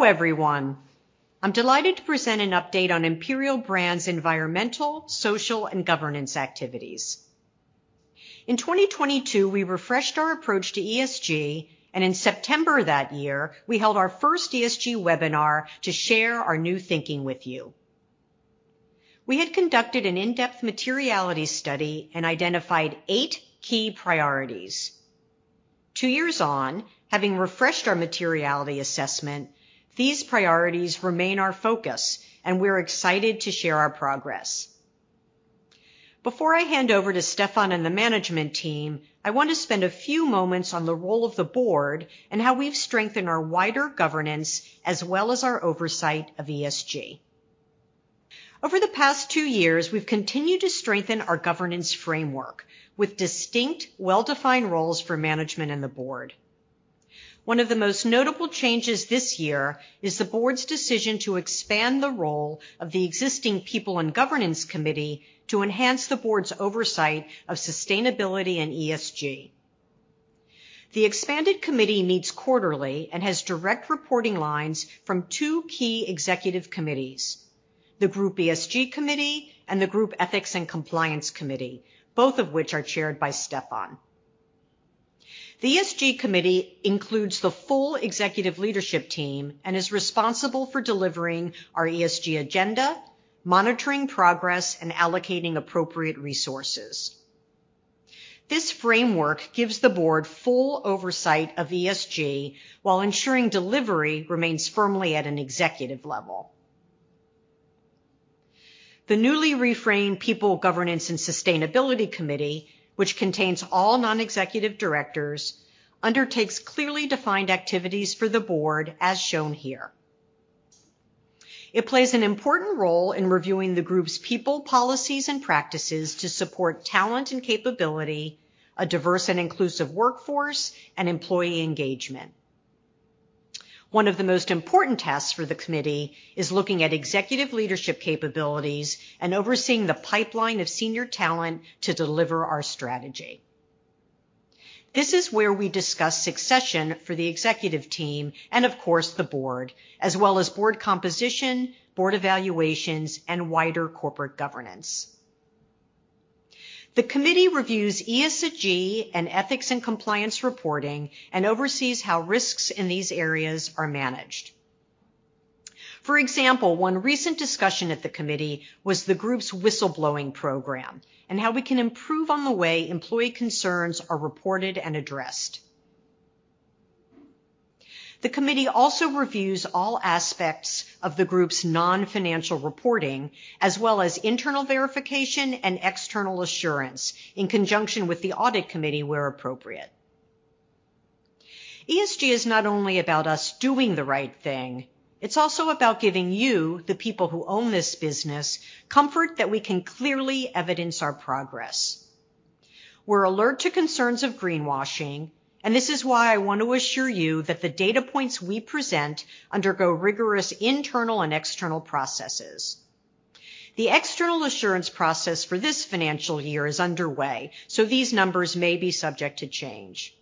Hello everyone! I'm delighted to present an update on Imperial Brands' environmental, social, and governance activities. In 2022, we refreshed our approach to ESG, and in September of that year, we held our first ESG webinar to share our new thinking with you. We had conducted an in-depth materiality study and identified eight key priorities. Two years on, having refreshed our materiality assessment, these priorities remain our focus, and we're excited to share our progress. Before I hand over to Stefan and the management team, I want to spend a few moments on the role of the board and how we've strengthened our wider governance, as well as our oversight of ESG. Over the past two years, we've continued to strengthen our governance framework with distinct, well-defined roles for management and the board. One of the most notable changes this year is the board's decision to expand the role of the existing People and Governance Committee to enhance the board's oversight of sustainability and ESG. The expanded committee meets quarterly and has direct reporting lines from two key executive committees: the Group ESG Committee and the Group Ethics and Compliance Committee, both of which are chaired by Stefan. The ESG committee includes the full Executive Leadership Team and is responsible for delivering our ESG agenda, monitoring progress, and allocating appropriate resources. This framework gives the board full oversight of ESG while ensuring delivery remains firmly at an executive level. The newly reframed People, Governance, and Sustainability Committee, which contains all non-executive directors, undertakes clearly defined activities for the board as shown here. It plays an important role in reviewing the group's people, policies, and practices to support talent and capability, a diverse and inclusive workforce, and employee engagement. One of the most important tasks for the committee is looking at executive leadership capabilities and overseeing the pipeline of senior talent to deliver our strategy. This is where we discuss succession for the executive team, and of course, the board, as well as board composition, board evaluations, and wider corporate governance. The committee reviews ESG and ethics and compliance reporting and oversees how risks in these areas are managed. For example, one recent discussion at the committee was the group's whistleblowing program and how we can improve on the way employee concerns are reported and addressed. The committee also reviews all aspects of the group's non-financial reporting, as well as internal verification and external assurance in conjunction with the Audit Committee, where appropriate. ESG is not only about us doing the right thing, it's also about giving you, the people who own this business, comfort that we can clearly evidence our progress. We're alert to concerns of greenwashing, and this is why I want to assure you that the data points we present undergo rigorous internal and external processes. The external assurance process for this financial year is underway, so these numbers may be subject to change.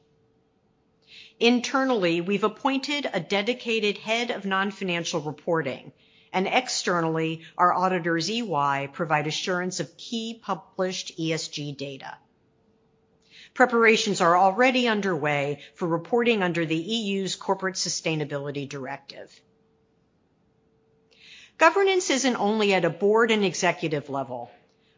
Internally, we've appointed a dedicated head of non-financial reporting, and externally, our auditors, EY, provide assurance of key published ESG data. Preparations are already underway for reporting under the EU's Corporate Sustainability Directive. Governance isn't only at a board and executive level.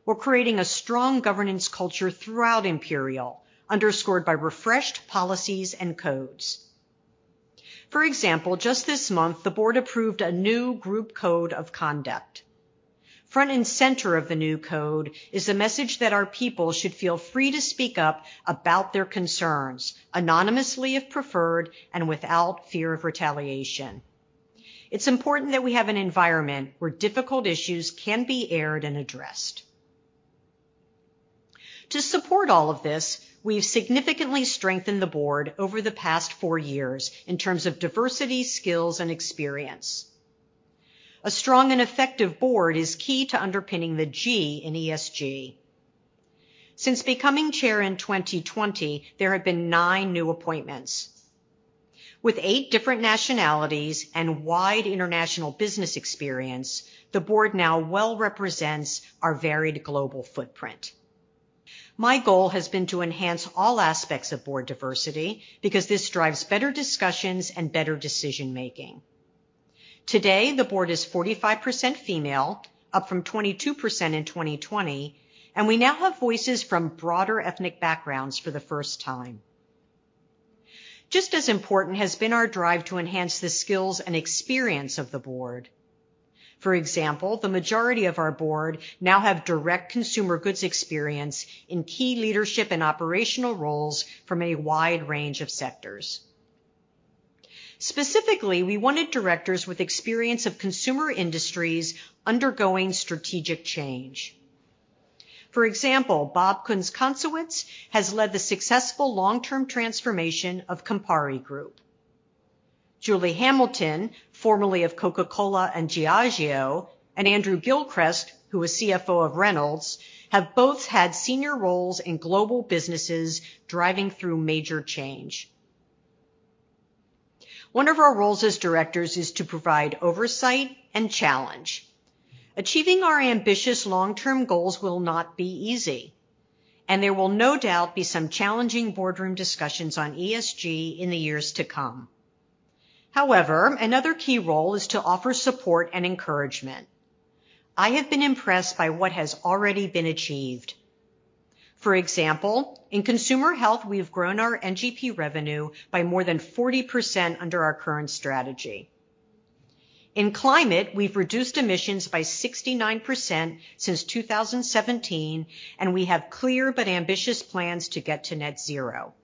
We're creating a strong governance culture throughout Imperial, underscored by refreshed policies and codes. For example, just this month, the board approved a new group code of conduct. Front and center of the new code is the message that our people should feel free to speak up about their concerns, anonymously if preferred, and without fear of retaliation. It's important that we have an environment where difficult issues can be aired and addressed. To support all of this, we've significantly strengthened the board over the past four years in terms of diversity, skills, and experience. A strong and effective board is key to underpinning the G in ESG. Since becoming chair in 2020, there have been nine new appointments. With eight different nationalities and wide international business experience, the board now well represents our varied global footprint. My goal has been to enhance all aspects of board diversity because this drives better discussions and better decision-making. Today, the board is 45% female, up from 22% in 2020, and we now have voices from broader ethnic backgrounds for the first time. Just as important has been our drive to enhance the skills and experience of the board. For example, the majority of our board now have direct consumer goods experience in key leadership and operational roles from a wide range of sectors. Specifically, we wanted directors with experience of consumer industries undergoing strategic change. For example, Bob Kunze-Concewitz has led the successful long-term transformation of Campari Group. Julie Hamilton, formerly of Coca-Cola and Diageo, and Andrew Gilchrist, who was CFO of Reynolds American, have both had senior roles in global businesses driving through major change. One of our roles as directors is to provide oversight and challenge. Achieving our ambitious long-term goals will not be easy, and there will no doubt be some challenging boardroom discussions on ESG in the years to come. However, another key role is to offer support and encouragement. I have been impressed by what has already been achieved. For example, in consumer health, we've grown our NGP revenue by more than 40% under our current strategy. In climate, we've reduced emissions by 69% since 2017, and we have clear but ambitious plans to get to net zero.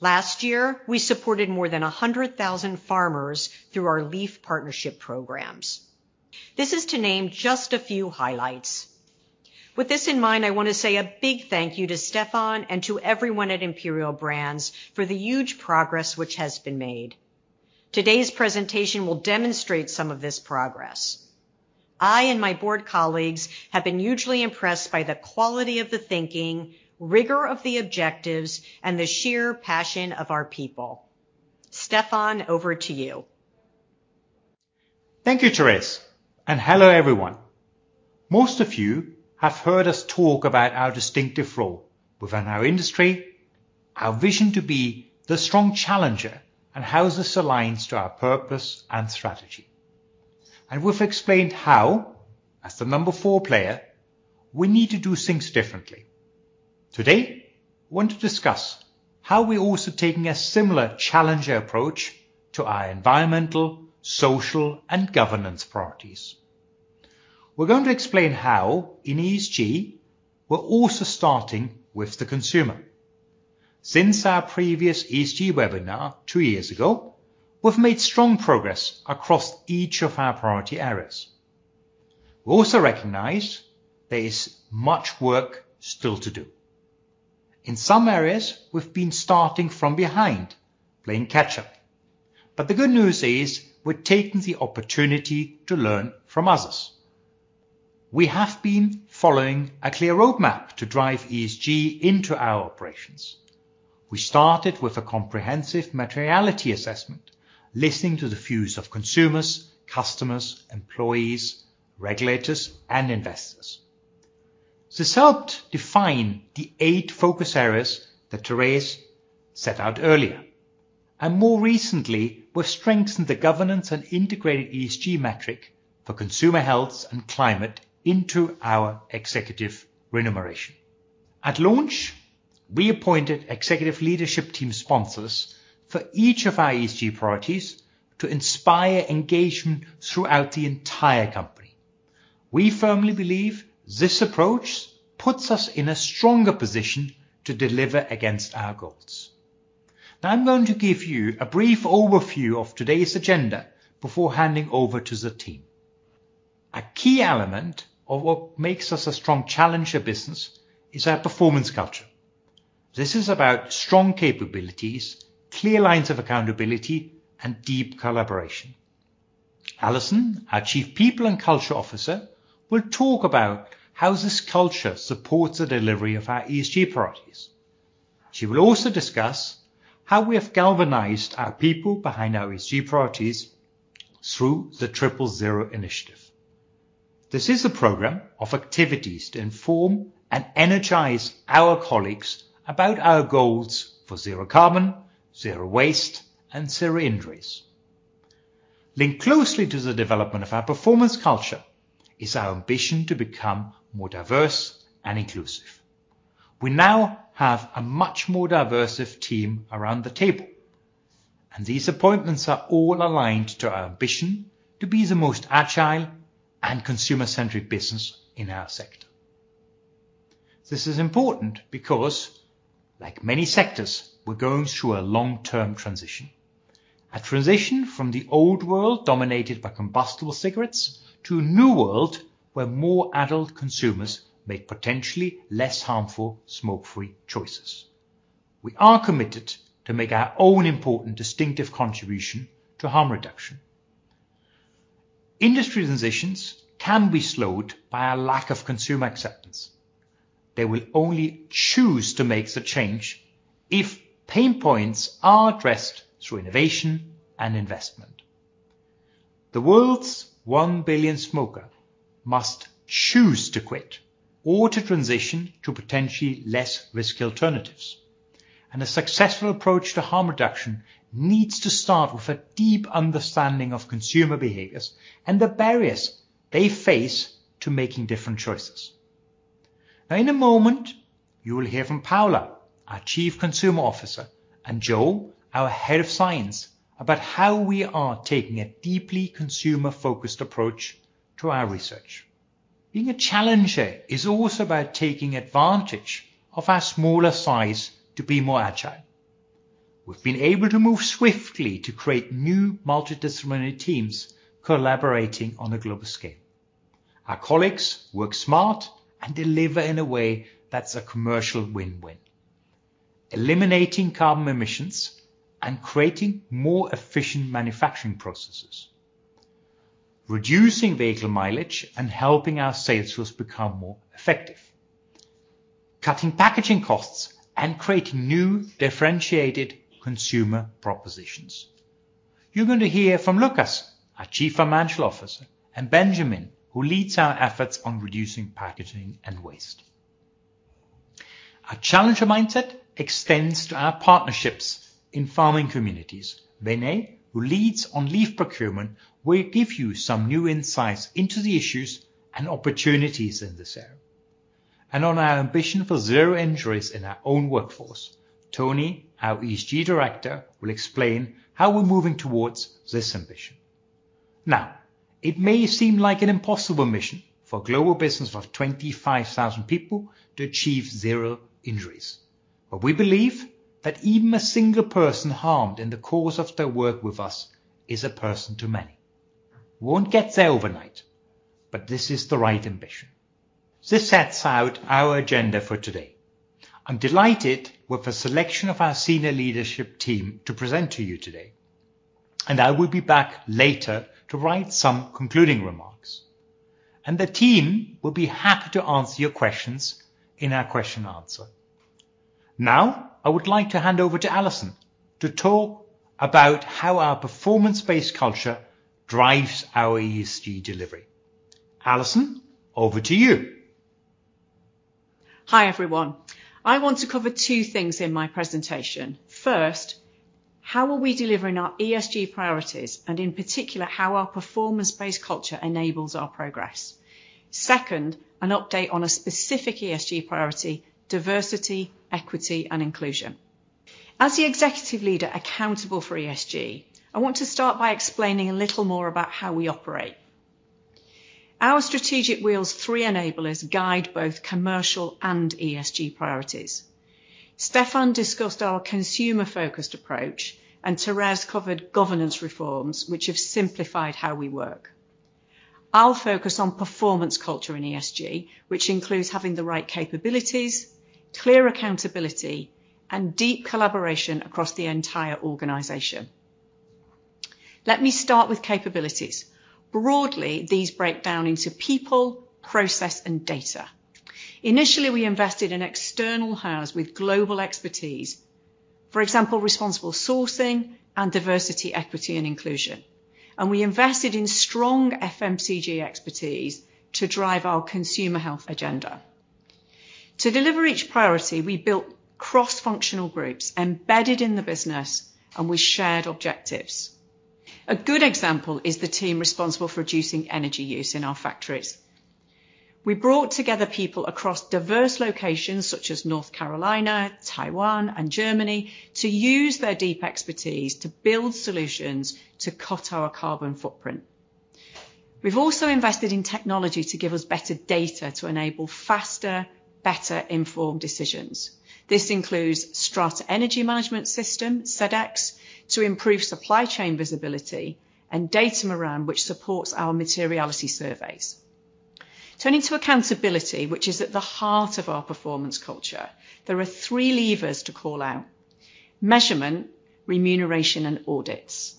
Last year, we supported more than 100,000 farmers through our Leaf Partnership programs. This is to name just a few highlights. With this in mind, I want to say a big thank you to Stefan and to everyone at Imperial Brands for the huge progress which has been made. Today's presentation will demonstrate some of this progress. I and my board colleagues have been hugely impressed by the quality of the thinking, rigor of the objectives, and the sheer passion of our people. Stefan, over to you. Thank you, Thérèse, and hello, everyone. Most of you have heard us talk about our distinctive role within our industry, our vision to be the strong challenger, and how this aligns to our purpose and strategy. And we've explained how, as the number four player, we need to do things differently. Today, I want to discuss how we're also taking a similar challenger approach to our environmental, social, and governance priorities. We're going to explain how in ESG, we're also starting with the consumer. Since our previous ESG webinar two years ago, we've made strong progress across each of our priority areas. We also recognize there is much work still to do. In some areas, we've been starting from behind, playing catch-up. But the good news is we're taking the opportunity to learn from others. We have been following a clear roadmap to drive ESG into our operations. We started with a comprehensive materiality assessment, listening to the views of consumers, customers, employees, regulators, and investors. This helped define the eight focus areas that Thérèse set out earlier, and more recently, we've strengthened the governance and integrated ESG metric for consumer health and climate into our executive remuneration. At launch, we appointed executive leadership team sponsors for each of our ESG priorities to inspire engagement throughout the entire company. We firmly believe this approach puts us in a stronger position to deliver against our goals. Now, I'm going to give you a brief overview of today's agenda before handing over to the team. A key element of what makes us a strong challenger business is our performance culture. This is about strong capabilities, clear lines of accountability, and deep collaboration. Alison, our Chief People and Culture Officer, will talk about how this culture supports the delivery of our ESG priorities. She will also discuss how we have galvanized our people behind our ESG priorities through the Triple Zero initiative. This is a program of activities to inform and energize our colleagues about our goals for zero carbon, zero waste, and zero injuries. Linked closely to the development of our performance culture is our ambition to become more diverse and inclusive. We now have a much more diverse team around the table, and these appointments are all aligned to our ambition to be the most agile and consumer-centric business in our sector. This is important because, like many sectors, we're going through a long-term transition, a transition from the old world, dominated by combustible cigarettes, to a new world where more adult consumers make potentially less harmful, smoke-free choices. We are committed to make our own important distinctive contribution to harm reduction. Industry transitions can be slowed by a lack of consumer acceptance. They will only choose to make the change if pain points are addressed through innovation and investment. The world's one billion smoker must choose to quit or to transition to potentially less risky alternatives, and a successful approach to harm reduction needs to start with a deep understanding of consumer behaviors and the barriers they face to making different choices. Now, in a moment, you will hear from Paola, our Chief Consumer Officer, and Joe, our Head of Science, about how we are taking a deeply consumer-focused approach to our research. Being a challenger is also about taking advantage of our smaller size to be more agile. We've been able to move swiftly to create new multidisciplinary teams collaborating on a global scale. Our colleagues work smart and deliver in a way that's a commercial win-win, eliminating carbon emissions and creating more efficient manufacturing processes, reducing vehicle mileage and helping our sales force become more effective, cutting packaging costs and creating new differentiated consumer propositions. You're going to hear from Lukas, our Chief Financial Officer, and Benjamin, who leads our efforts on reducing packaging and waste. Our challenger mindset extends to our partnerships in farming communities. Vinay, who leads on leaf procurement, will give you some new insights into the issues and opportunities in this area. Our ambition for zero injuries in our own workforce is the focus, and Tony, our ESG Director, will explain how we're moving towards this ambition. Now, it may seem like an impossible mission for a global business of 25,000 people to achieve zero injuries, but we believe that even a single person harmed in the course of their work with us is a person too many. We won't get there overnight, but this is the right ambition. This sets out our agenda for today. I'm delighted with the selection of our senior leadership team to present to you today, and I will be back later to write some concluding remarks, and the team will be happy to answer your questions in our question and answer. Now, I would like to hand over to Alison to talk about how our performance-based culture drives our ESG delivery. Alison, over to you. Hi, everyone. I want to cover two things in my presentation. First, how are we delivering our ESG priorities, and in particular, how our performance-based culture enables our progress? Second, an update on a specific ESG priority, diversity, equity, and inclusion. As the executive leader accountable for ESG, I want to start by explaining a little more about how we operate. Our strategic wheel's three enablers guide both commercial and ESG priorities. Stefan discussed our consumer-focused approach, and Thérèse covered governance reforms, which have simplified how we work. I'll focus on performance culture in ESG, which includes having the right capabilities, clear accountability, and deep collaboration across the entire organization. Let me start with capabilities. Broadly, these break down into people, process, and data. Initially, we invested in external houses with global expertise. For example, responsible sourcing and diversity, equity, and inclusion, and we invested in strong FMCG expertise to drive our consumer health agenda. To deliver each priority, we built cross-functional groups embedded in the business and with shared objectives. A good example is the team responsible for reducing energy use in our factories. We brought together people across diverse locations, such as North Carolina, Taiwan, and Germany, to use their deep expertise to build solutions to cut our carbon footprint. We've also invested in technology to give us better data to enable faster, better, informed decisions. This includes Strata Energy Management System, Sedex, to improve supply chain visibility, and Datamaran, which supports our materiality surveys. Turning to accountability, which is at the heart of our performance culture, there are three levers to call out: measurement, remuneration, and audits.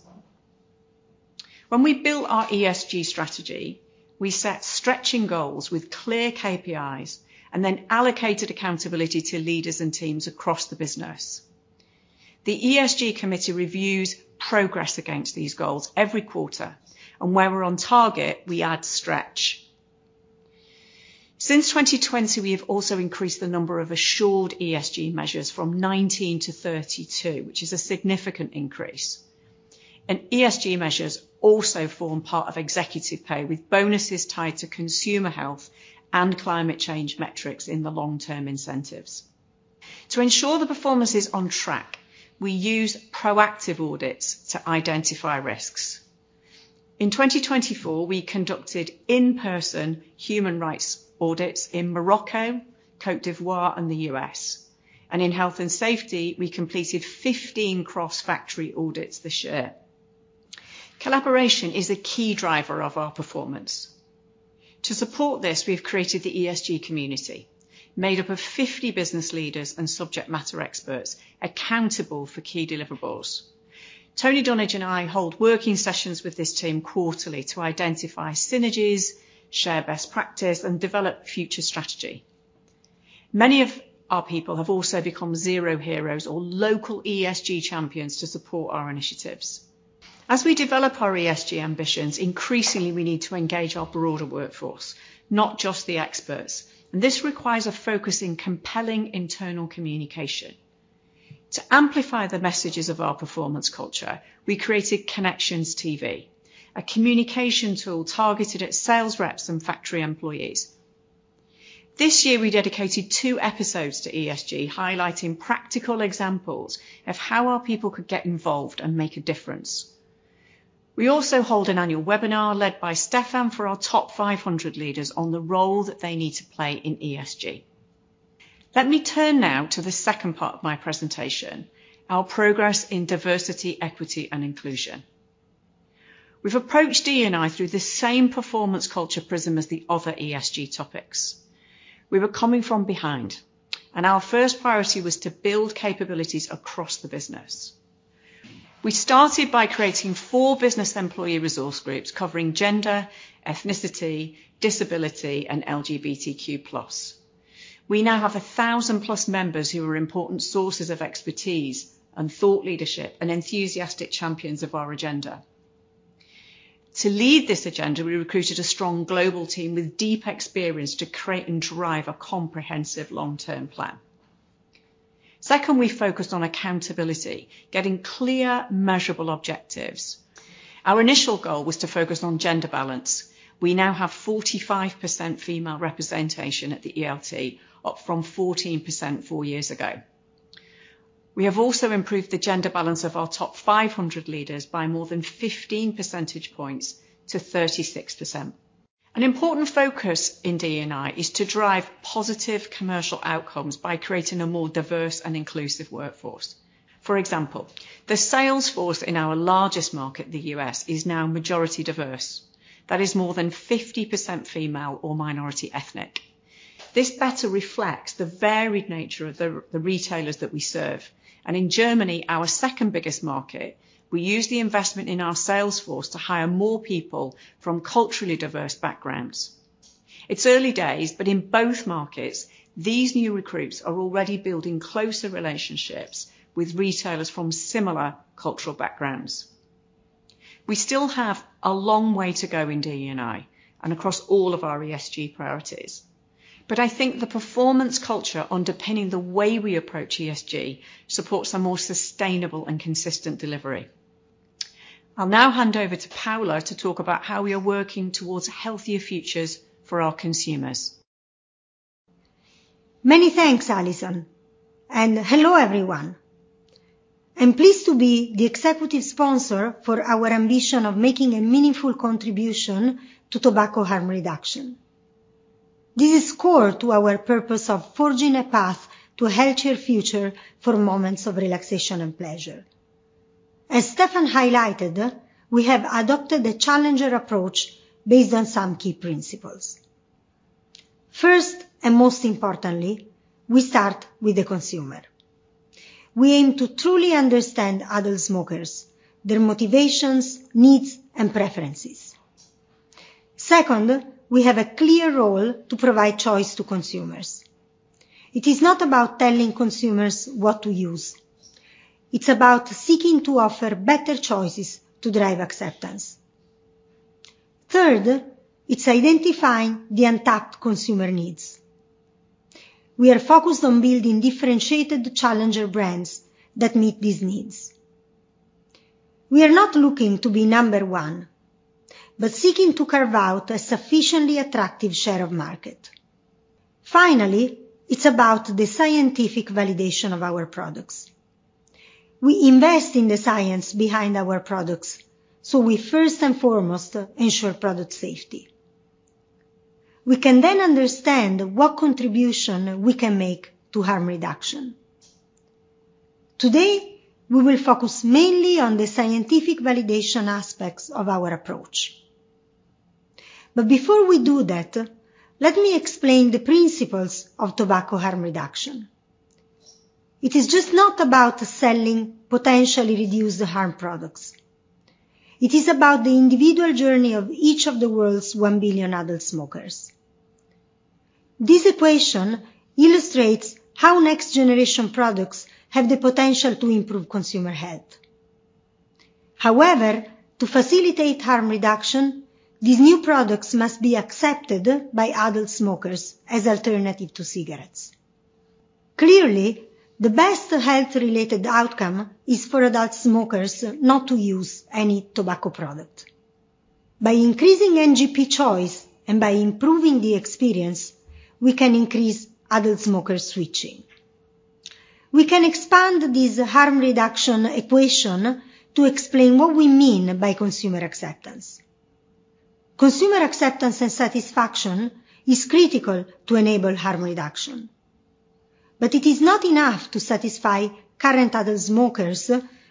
When we built our ESG strategy, we set stretching goals with clear KPIs and then allocated accountability to leaders and teams across the business. The ESG committee reviews progress against these goals every quarter, and where we're on target, we add stretch. Since 2020, we have also increased the number of assured ESG measures from 19 to 32, which is a significant increase. And ESG measures also form part of executive pay, with bonuses tied to consumer health and climate change metrics in the long-term incentives. To ensure the performance is on track, we use proactive audits to identify risks. In 2024, we conducted in-person human rights audits in Morocco, Côte d'Ivoire, and the U.S., and in health and safety, we completed 15 cross-factory audits this year. Collaboration is a key driver of our performance. To support this, we have created the ESG community, made up of 50 business leaders and subject matter experts accountable for key deliverables. Tony Dunnage and I hold working sessions with this team quarterly to identify synergies, share best practice, and develop future strategy. Many of our people have also become Zero Heroes or local ESG champions to support our initiatives. As we develop our ESG ambitions, increasingly, we need to engage our broader workforce, not just the experts, and this requires a focus on compelling internal communication. To amplify the messages of our performance culture, we created Connections TV, a communication tool targeted at sales reps and factory employees. This year, we dedicated two episodes to ESG, highlighting practical examples of how our people could get involved and make a difference. We also hold an annual webinar, led by Stefan, for our top five hundred leaders on the role that they need to play in ESG. Let me turn now to the second part of my presentation, our progress in diversity, equity, and inclusion. We've approached D&I through the same performance culture prism as the other ESG topics. We were coming from behind, and our first priority was to build capabilities across the business. We started by creating four business employee resource groups, covering gender, ethnicity, disability, and LGBTQ plus. We now have a thousand plus members who are important sources of expertise and thought leadership, and enthusiastic champions of our agenda. To lead this agenda, we recruited a strong global team with deep experience to create and drive a comprehensive long-term plan. Second, we focused on accountability, getting clear, measurable objectives. Our initial goal was to focus on gender balance. We now have 45% female representation at the ELT, up from 14% four years ago. We have also improved the gender balance of our top 500 leaders by more than 15 percentage points to 36%. An important focus in D&I is to drive positive commercial outcomes by creating a more diverse and inclusive workforce. For example, the sales force in our largest market, the U.S., is now majority diverse. That is more than 50% female or minority ethnic. This better reflects the varied nature of the retailers that we serve, and in Germany, our second biggest market, we use the investment in our sales force to hire more people from culturally diverse backgrounds. It's early days, but in both markets, these new recruits are already building closer relationships with retailers from similar cultural backgrounds. We still have a long way to go in D&I and across all of our ESG priorities, but I think the performance culture underpinning the way we approach ESG supports a more sustainable and consistent delivery. I'll now hand over to Paola to talk about how we are working towards healthier futures for our consumers. Many thanks, Alison, and hello, everyone. I'm pleased to be the executive sponsor for our ambition of making a meaningful contribution to tobacco harm reduction. This is core to our purpose of forging a path to a healthier future for moments of relaxation and pleasure. As Stefan highlighted, we have adopted the challenger approach based on some key principles. First, and most importantly, we start with the consumer. We aim to truly understand adult smokers, their motivations, needs, and preferences. Second, we have a clear role to provide choice to consumers. It is not about telling consumers what to use, it's about seeking to offer better choices to drive acceptance. Third, it's identifying the untapped consumer needs. We are focused on building differentiated challenger brands that meet these needs. We are not looking to be number one, but seeking to carve out a sufficiently attractive share of market. Finally, it's about the scientific validation of our products. We invest in the science behind our products, so we first and foremost ensure product safety. We can then understand what contribution we can make to harm reduction. Today, we will focus mainly on the scientific validation aspects of our approach. But before we do that, let me explain the principles of tobacco harm reduction. It is just not about selling potentially reduced harm products. It is about the individual journey of each of the world's one billion adult smokers. This equation illustrates how next generation products have the potential to improve consumer health. However, to facilitate harm reduction, these new products must be accepted by adult smokers as alternative to cigarettes. Clearly, the best health-related outcome is for adult smokers not to use any tobacco product. By increasing NGP choice and by improving the experience, we can increase adult smoker switching. We can expand this harm reduction equation to explain what we mean by consumer acceptance. Consumer acceptance and satisfaction is critical to enable harm reduction, but it is not enough to satisfy current adult smokers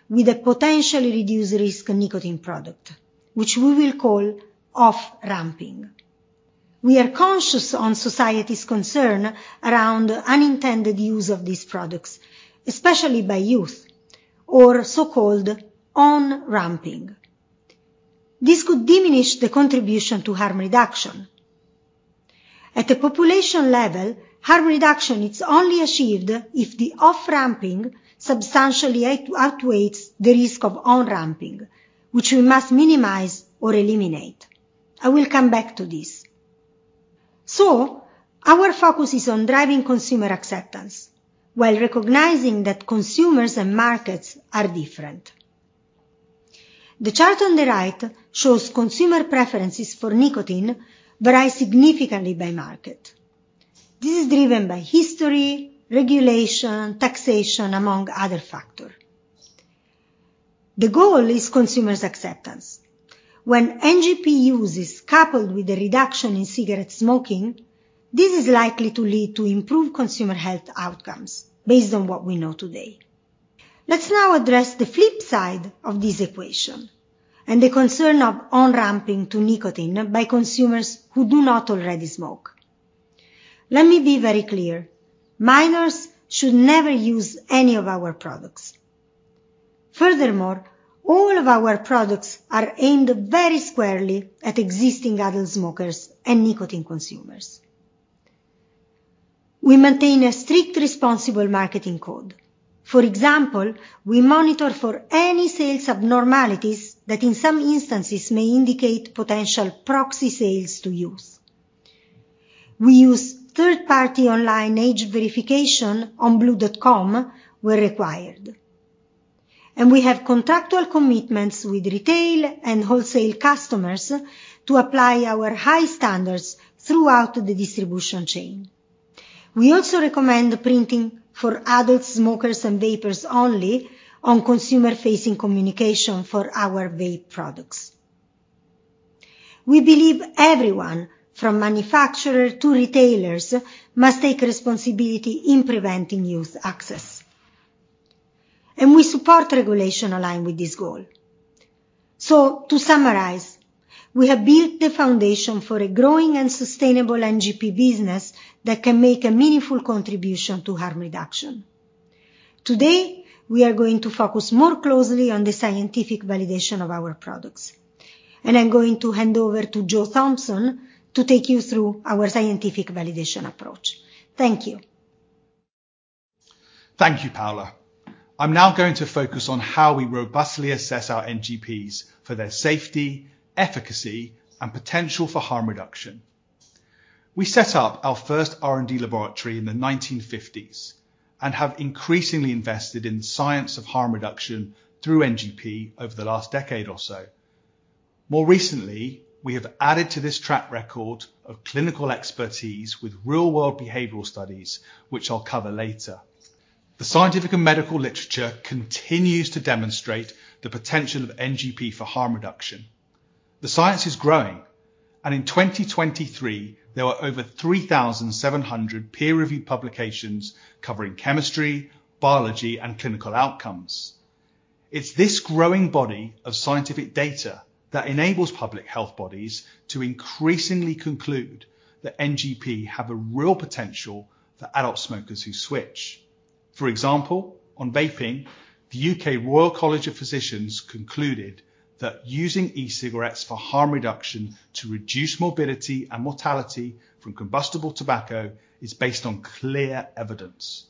with a potentially reduced risk nicotine product, which we will call off-ramping. We are conscious of society's concern around unintended use of these products, especially by youth or so-called on-ramping. This could diminish the contribution to harm reduction. At a population level, harm reduction is only achieved if the off-ramping substantially outweighs the risk of on-ramping, which we must minimize or eliminate. I will come back to this. Our focus is on driving consumer acceptance while recognizing that consumers and markets are different. The chart on the right shows consumer preferences for nicotine vary significantly by market. This is driven by history, regulation, taxation, among other factors. The goal is consumers' acceptance. When NGP uses coupled with a reduction in cigarette smoking, this is likely to lead to improved consumer health outcomes based on what we know today. Let's now address the flip side of this equation, and the concern of on-ramping to nicotine by consumers who do not already smoke. Let me be very clear, minors should never use any of our products. Furthermore, all of our products are aimed very squarely at existing adult smokers and nicotine consumers. We maintain a strict, responsible marketing code. For example, we monitor for any sales abnormalities that in some instances may indicate potential proxy sales to youth. We use third-party online age verification on blu.com where required, and we have contractual commitments with retail and wholesale customers to apply our high standards throughout the distribution chain. We also recommend printing for adult smokers and vapers only on consumer-facing communication for our vape products. We believe everyone, from manufacturer to retailers, must take responsibility in preventing youth access, and we support regulation aligned with this goal. So to summarize, we have built the foundation for a growing and sustainable NGP business that can make a meaningful contribution to harm reduction. Today, we are going to focus more closely on the scientific validation of our products, and I'm going to hand over to Joe Thompson to take you through our scientific validation approach. Thank you. Thank you, Paola. I'm now going to focus on how we robustly assess our NGPs for their safety, efficacy, and potential for harm reduction. We set up our first R&D laboratory in the 1950s, and have increasingly invested in the science of harm reduction through NGP over the last decade or so. More recently, we have added to this track record of clinical expertise with real-world behavioral studies, which I'll cover later. The scientific and medical literature continues to demonstrate the potential of NGP for harm reduction. The science is growing, and in 2023, there were over 3,700 peer-reviewed publications covering chemistry, biology, and clinical outcomes. It's this growing body of scientific data that enables public health bodies to increasingly conclude that NGP have a real potential for adult smokers who switch. For example, on vaping, the UK Royal College of Physicians concluded that using e-cigarettes for harm reduction to reduce morbidity and mortality from combustible tobacco is based on clear evidence.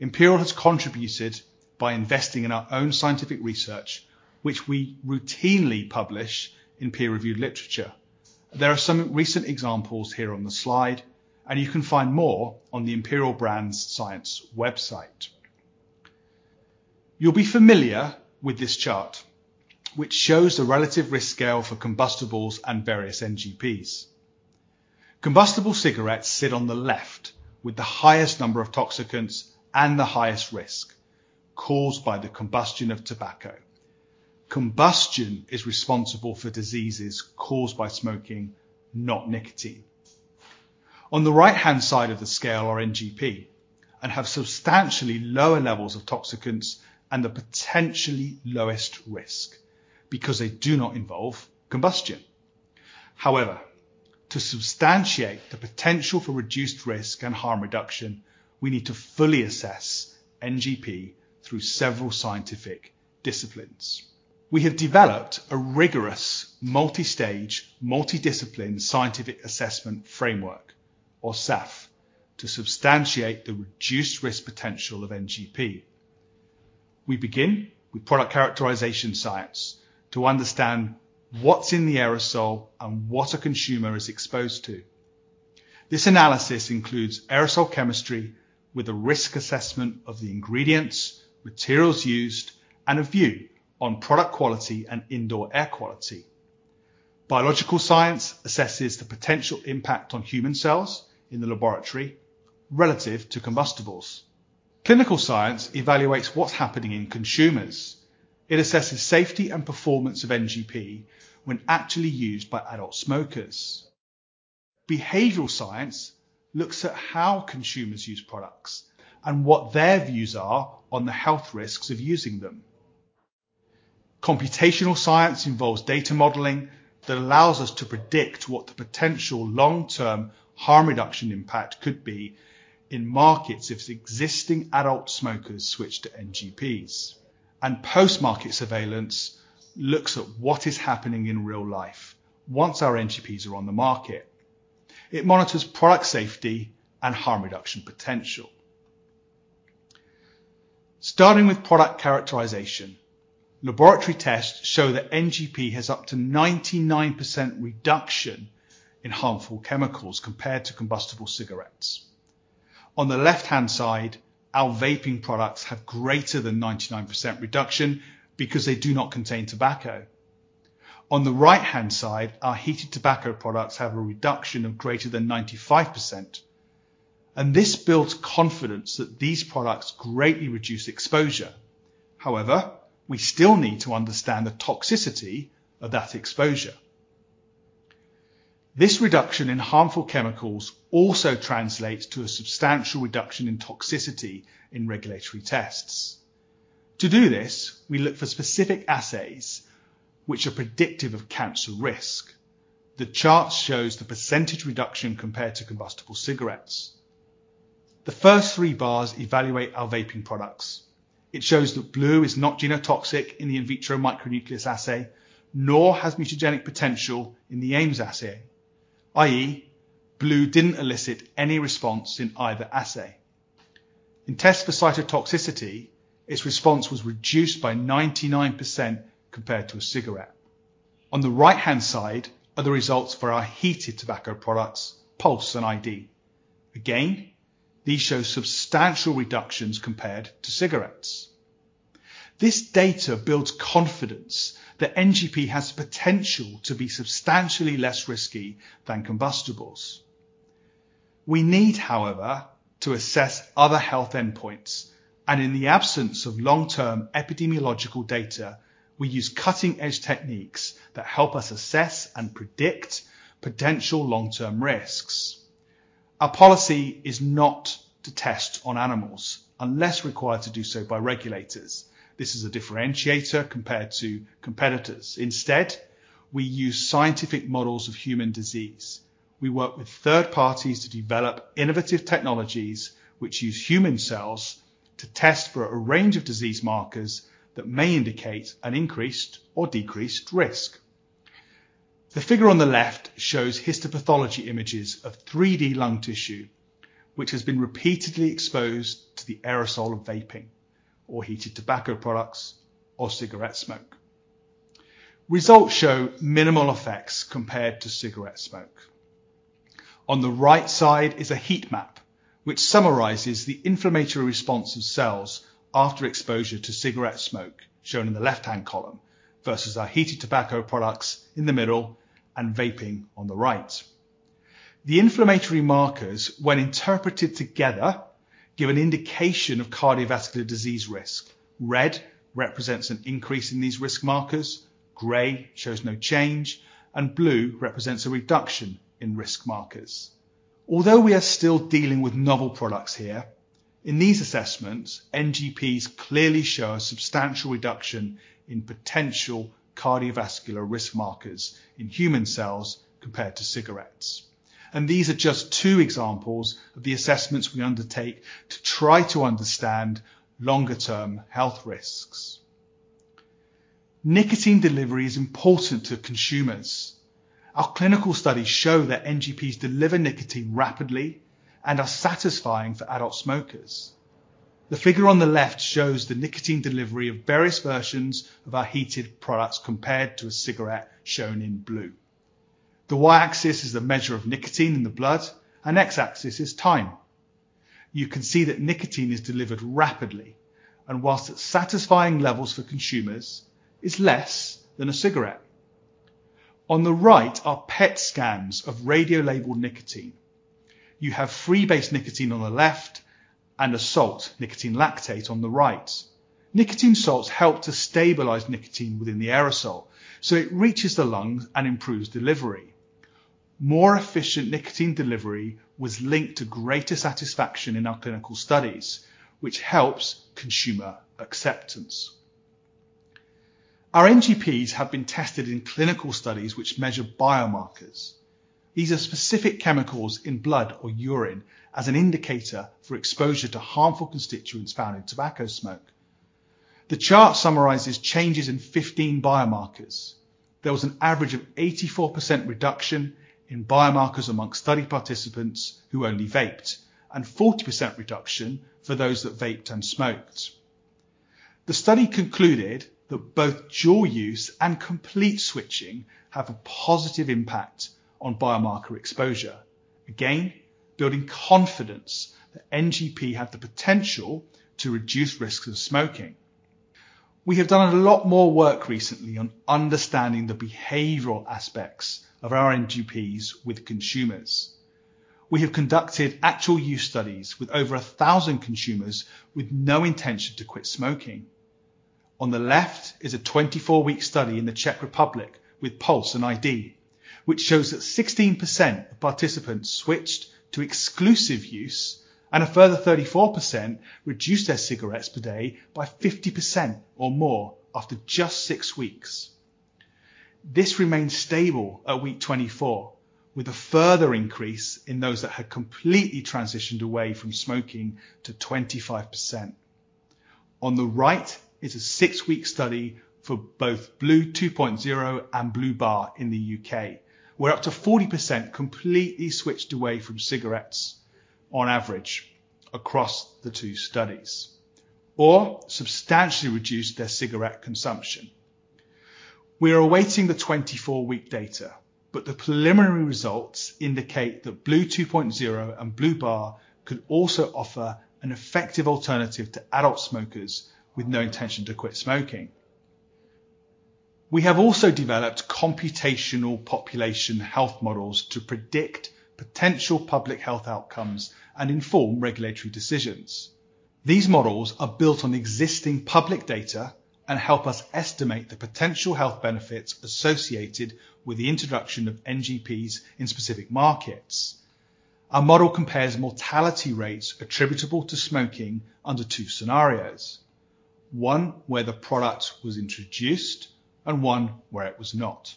Imperial has contributed by investing in our own scientific research, which we routinely publish in peer-reviewed literature. There are some recent examples here on the slide, and you can find more on the Imperial Brands science website. You'll be familiar with this chart, which shows the relative risk scale for combustibles and various NGPs. Combustible cigarettes sit on the left with the highest number of toxicants and the highest risk caused by the combustion of tobacco. Combustion is responsible for diseases caused by smoking, not nicotine. On the right-hand side of the scale are NGPs, and have substantially lower levels of toxicants and the potentially lowest risk because they do not involve combustion. However, to substantiate the potential for reduced risk and harm reduction, we need to fully assess NGP through several scientific disciplines. We have developed a rigorous, multi-stage, multi-discipline scientific assessment framework, or SAF, to substantiate the reduced risk potential of NGP. We begin with product characterization science to understand what's in the aerosol and what a consumer is exposed to. This analysis includes aerosol chemistry with a risk assessment of the ingredients, materials used, and a view on product quality and indoor air quality. Biological science assesses the potential impact on human cells in the laboratory relative to combustibles. Clinical science evaluates what's happening in consumers. It assesses safety and performance of NGP when actually used by adult smokers. Behavioral science looks at how consumers use products and what their views are on the health risks of using them. Computational science involves data modeling that allows us to predict what the potential long-term harm reduction impact could be in markets if existing adult smokers switch to NGPs, and post-market surveillance looks at what is happening in real life once our NGPs are on the market. It monitors product safety and harm reduction potential. Starting with product characterization, laboratory tests show that NGP has up to 99% reduction in harmful chemicals compared to combustible cigarettes. On the left-hand side, our vaping products have greater than 99% reduction because they do not contain tobacco. On the right-hand side, our heated tobacco products have a reduction of greater than 95%... and this builds confidence that these products greatly reduce exposure. However, we still need to understand the toxicity of that exposure. This reduction in harmful chemicals also translates to a substantial reduction in toxicity in regulatory tests. To do this, we look for specific assays which are predictive of cancer risk. The chart shows the percentage reduction compared to combustible cigarettes. The first three bars evaluate our vaping products. It shows that blu is not genotoxic in the in vitro micronucleus assay, nor has mutagenic potential in the Ames assay, i.e., blu didn't elicit any response in either assay. In tests for cytotoxicity, its response was reduced by 99% compared to a cigarette. On the right-hand side are the results for our heated tobacco products, Pulze and iD. Again, these show substantial reductions compared to cigarettes. This data builds confidence that NGP has the potential to be substantially less risky than combustibles. We need, however, to assess other health endpoints, and in the absence of long-term epidemiological data, we use cutting-edge techniques that help us assess and predict potential long-term risks. Our policy is not to test on animals unless required to do so by regulators. This is a differentiator compared to competitors. Instead, we use scientific models of human disease. We work with third parties to develop innovative technologies, which use human cells to test for a range of disease markers that may indicate an increased or decreased risk. The figure on the left shows histopathology images of 3D lung tissue, which has been repeatedly exposed to the aerosol of vaping or heated tobacco products or cigarette smoke. Results show minimal effects compared to cigarette smoke. On the right side is a heat map, which summarizes the inflammatory response of cells after exposure to cigarette smoke, shown in the left-hand column, versus our heated tobacco products in the middle and vaping on the right. The inflammatory markers, when interpreted together, give an indication of cardiovascular disease risk. Red represents an increase in these risk markers, gray shows no change, and blue represents a reduction in risk markers. Although we are still dealing with novel products here, in these assessments, NGPs clearly show a substantial reduction in potential cardiovascular risk markers in human cells compared to cigarettes. And these are just two examples of the assessments we undertake to try to understand longer-term health risks. Nicotine delivery is important to consumers. Our clinical studies show that NGPs deliver nicotine rapidly and are satisfying for adult smokers. The figure on the left shows the nicotine delivery of various versions of our heated products compared to a cigarette, shown in blue. The Y-axis is the measure of nicotine in the blood, and X-axis is time. You can see that nicotine is delivered rapidly, and whilst at satisfying levels for consumers, is less than a cigarette. On the right are PET scans of radio-labeled nicotine. You have freebase nicotine on the left and a salt, nicotine lactate, on the right. Nicotine salts help to stabilize nicotine within the aerosol, so it reaches the lungs and improves delivery. More efficient nicotine delivery was linked to greater satisfaction in our clinical studies, which helps consumer acceptance. Our NGPs have been tested in clinical studies which measure biomarkers. These are specific chemicals in blood or urine as an indicator for exposure to harmful constituents found in tobacco smoke. The chart summarizes changes in fifteen biomarkers. There was an average of 84% reduction in biomarkers among study participants who only vaped, and 40% reduction for those that vaped and smoked. The study concluded that both dual use and complete switching have a positive impact on biomarker exposure. Again, building confidence that NGP have the potential to reduce risks of smoking. We have done a lot more work recently on understanding the behavioral aspects of our NGPs with consumers. We have conducted actual use studies with over a thousand consumers with no intention to quit smoking. On the left is a 24-week study in the Czech Republic with Pulze and iD, which shows that 16% of participants switched to exclusive use, and a further 34% reduced their cigarettes per day by 50% or more after just 6 weeks. This remained stable at week 24, with a further increase in those that had completely transitioned away from smoking to 25%. On the right is a six-week study for both blu 2.0 and blu bar in the UK, where up to 40% completely switched away from cigarettes on average across the two studies, or substantially reduced their cigarette consumption. We are awaiting the 24-week data, but the preliminary results indicate that blu 2.0 and blu bar could also offer an effective alternative to adult smokers with no intention to quit smoking. We have also developed computational population health models to predict potential public health outcomes and inform regulatory decisions. These models are built on existing public data and help us estimate the potential health benefits associated with the introduction of NGPs in specific markets. Our model compares mortality rates attributable to smoking under two scenarios: one where the product was introduced and one where it was not.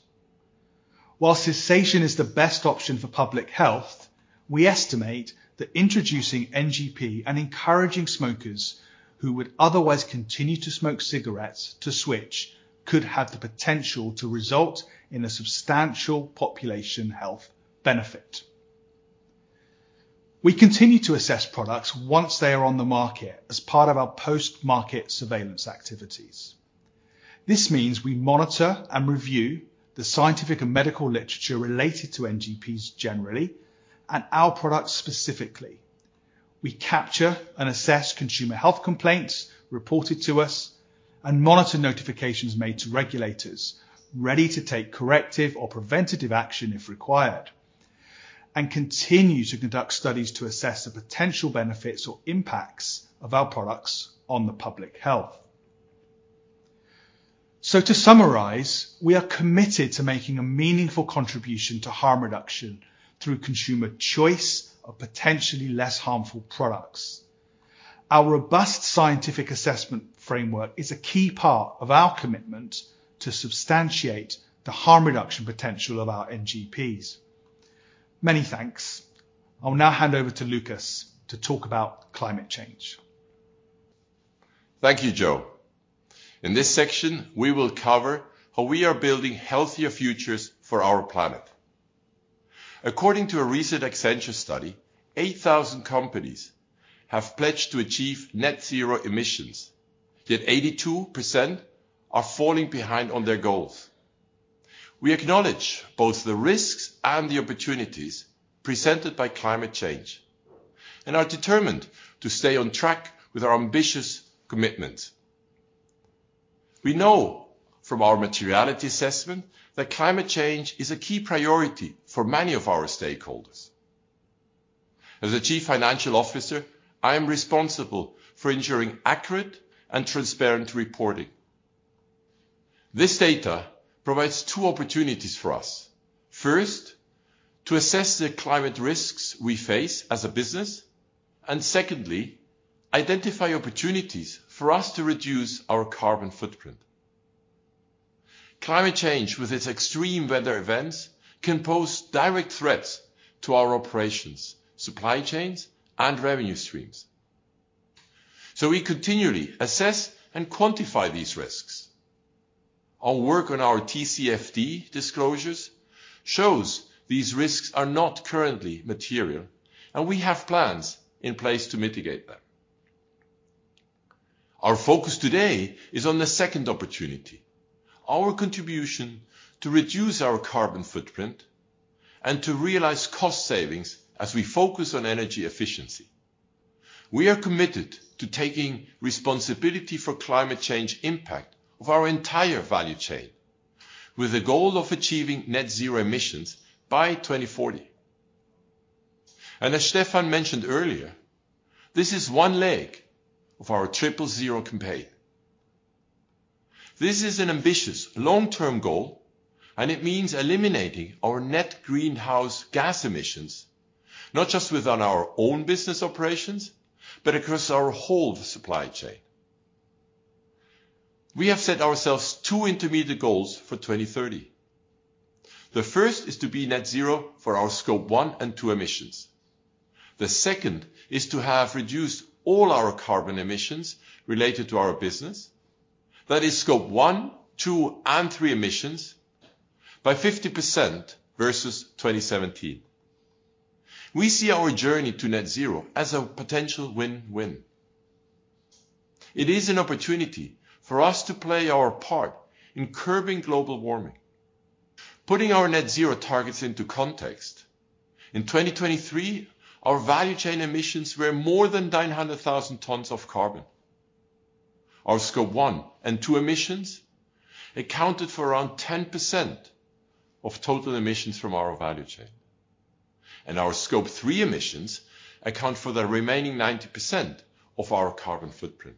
While cessation is the best option for public health, we estimate that introducing NGP and encouraging smokers who would otherwise continue to smoke cigarettes to switch, could have the potential to result in a substantial population health benefit. We continue to assess products once they are on the market as part of our post-market surveillance activities. This means we monitor and review the scientific and medical literature related to NGPs generally, and our products specifically. We capture and assess consumer health complaints reported to us, and monitor notifications made to regulators, ready to take corrective or preventative action if required, and continue to conduct studies to assess the potential benefits or impacts of our products on the public health. So to summarize, we are committed to making a meaningful contribution to harm reduction through consumer choice of potentially less harmful products. Our robust scientific assessment framework is a key part of our commitment to substantiate the harm reduction potential of our NGPs. Many thanks. I will now hand over to Lukas to talk about climate change. Thank you, Joe. In this section, we will cover how we are building healthier futures for our planet. According to a recent Accenture study, 8,000 companies have pledged to achieve Net Zero emissions, yet 82% are falling behind on their goals. We acknowledge both the risks and the opportunities presented by climate change, and are determined to stay on track with our ambitious commitments. We know from our Materiality Assessment that climate change is a key priority for many of our stakeholders. As the Chief Financial Officer, I am responsible for ensuring accurate and transparent reporting. This data provides two opportunities for us. First, to assess the climate risks we face as a business, and secondly, identify opportunities for us to reduce our carbon footprint. Climate change, with its extreme weather events, can pose direct threats to our operations, supply chains, and revenue streams, so we continually assess and quantify these risks. Our work on our TCFD disclosures shows these risks are not currently material, and we have plans in place to mitigate them. Our focus today is on the second opportunity, our contribution to reduce our carbon footprint and to realize cost savings as we focus on energy efficiency. We are committed to taking responsibility for climate change impact of our entire value chain, with the goal of achieving net zero emissions by 2040, and as Stefan mentioned earlier, this is one leg of our Triple Zero campaign. This is an ambitious long-term goal, and it means eliminating our net greenhouse gas emissions, not just within our own business operations, but across our whole supply chain. We have set ourselves two intermediate goals for 2030. The first is to be Net Zero for our Scope 1 and 2 emissions. The second is to have reduced all our carbon emissions related to our business, that is Scope 1, 2, and 3 emissions, by 50% versus 2017. We see our journey to Net Zero as a potential win-win. It is an opportunity for us to play our part in curbing global warming, putting our Net Zero targets into context. In 2023, our value chain emissions were more than 900,000 tons of carbon. Our Scope 1 and 2 emissions accounted for around 10% of total emissions from our value chain, and our Scope 3 emissions account for the remaining 90% of our carbon footprint.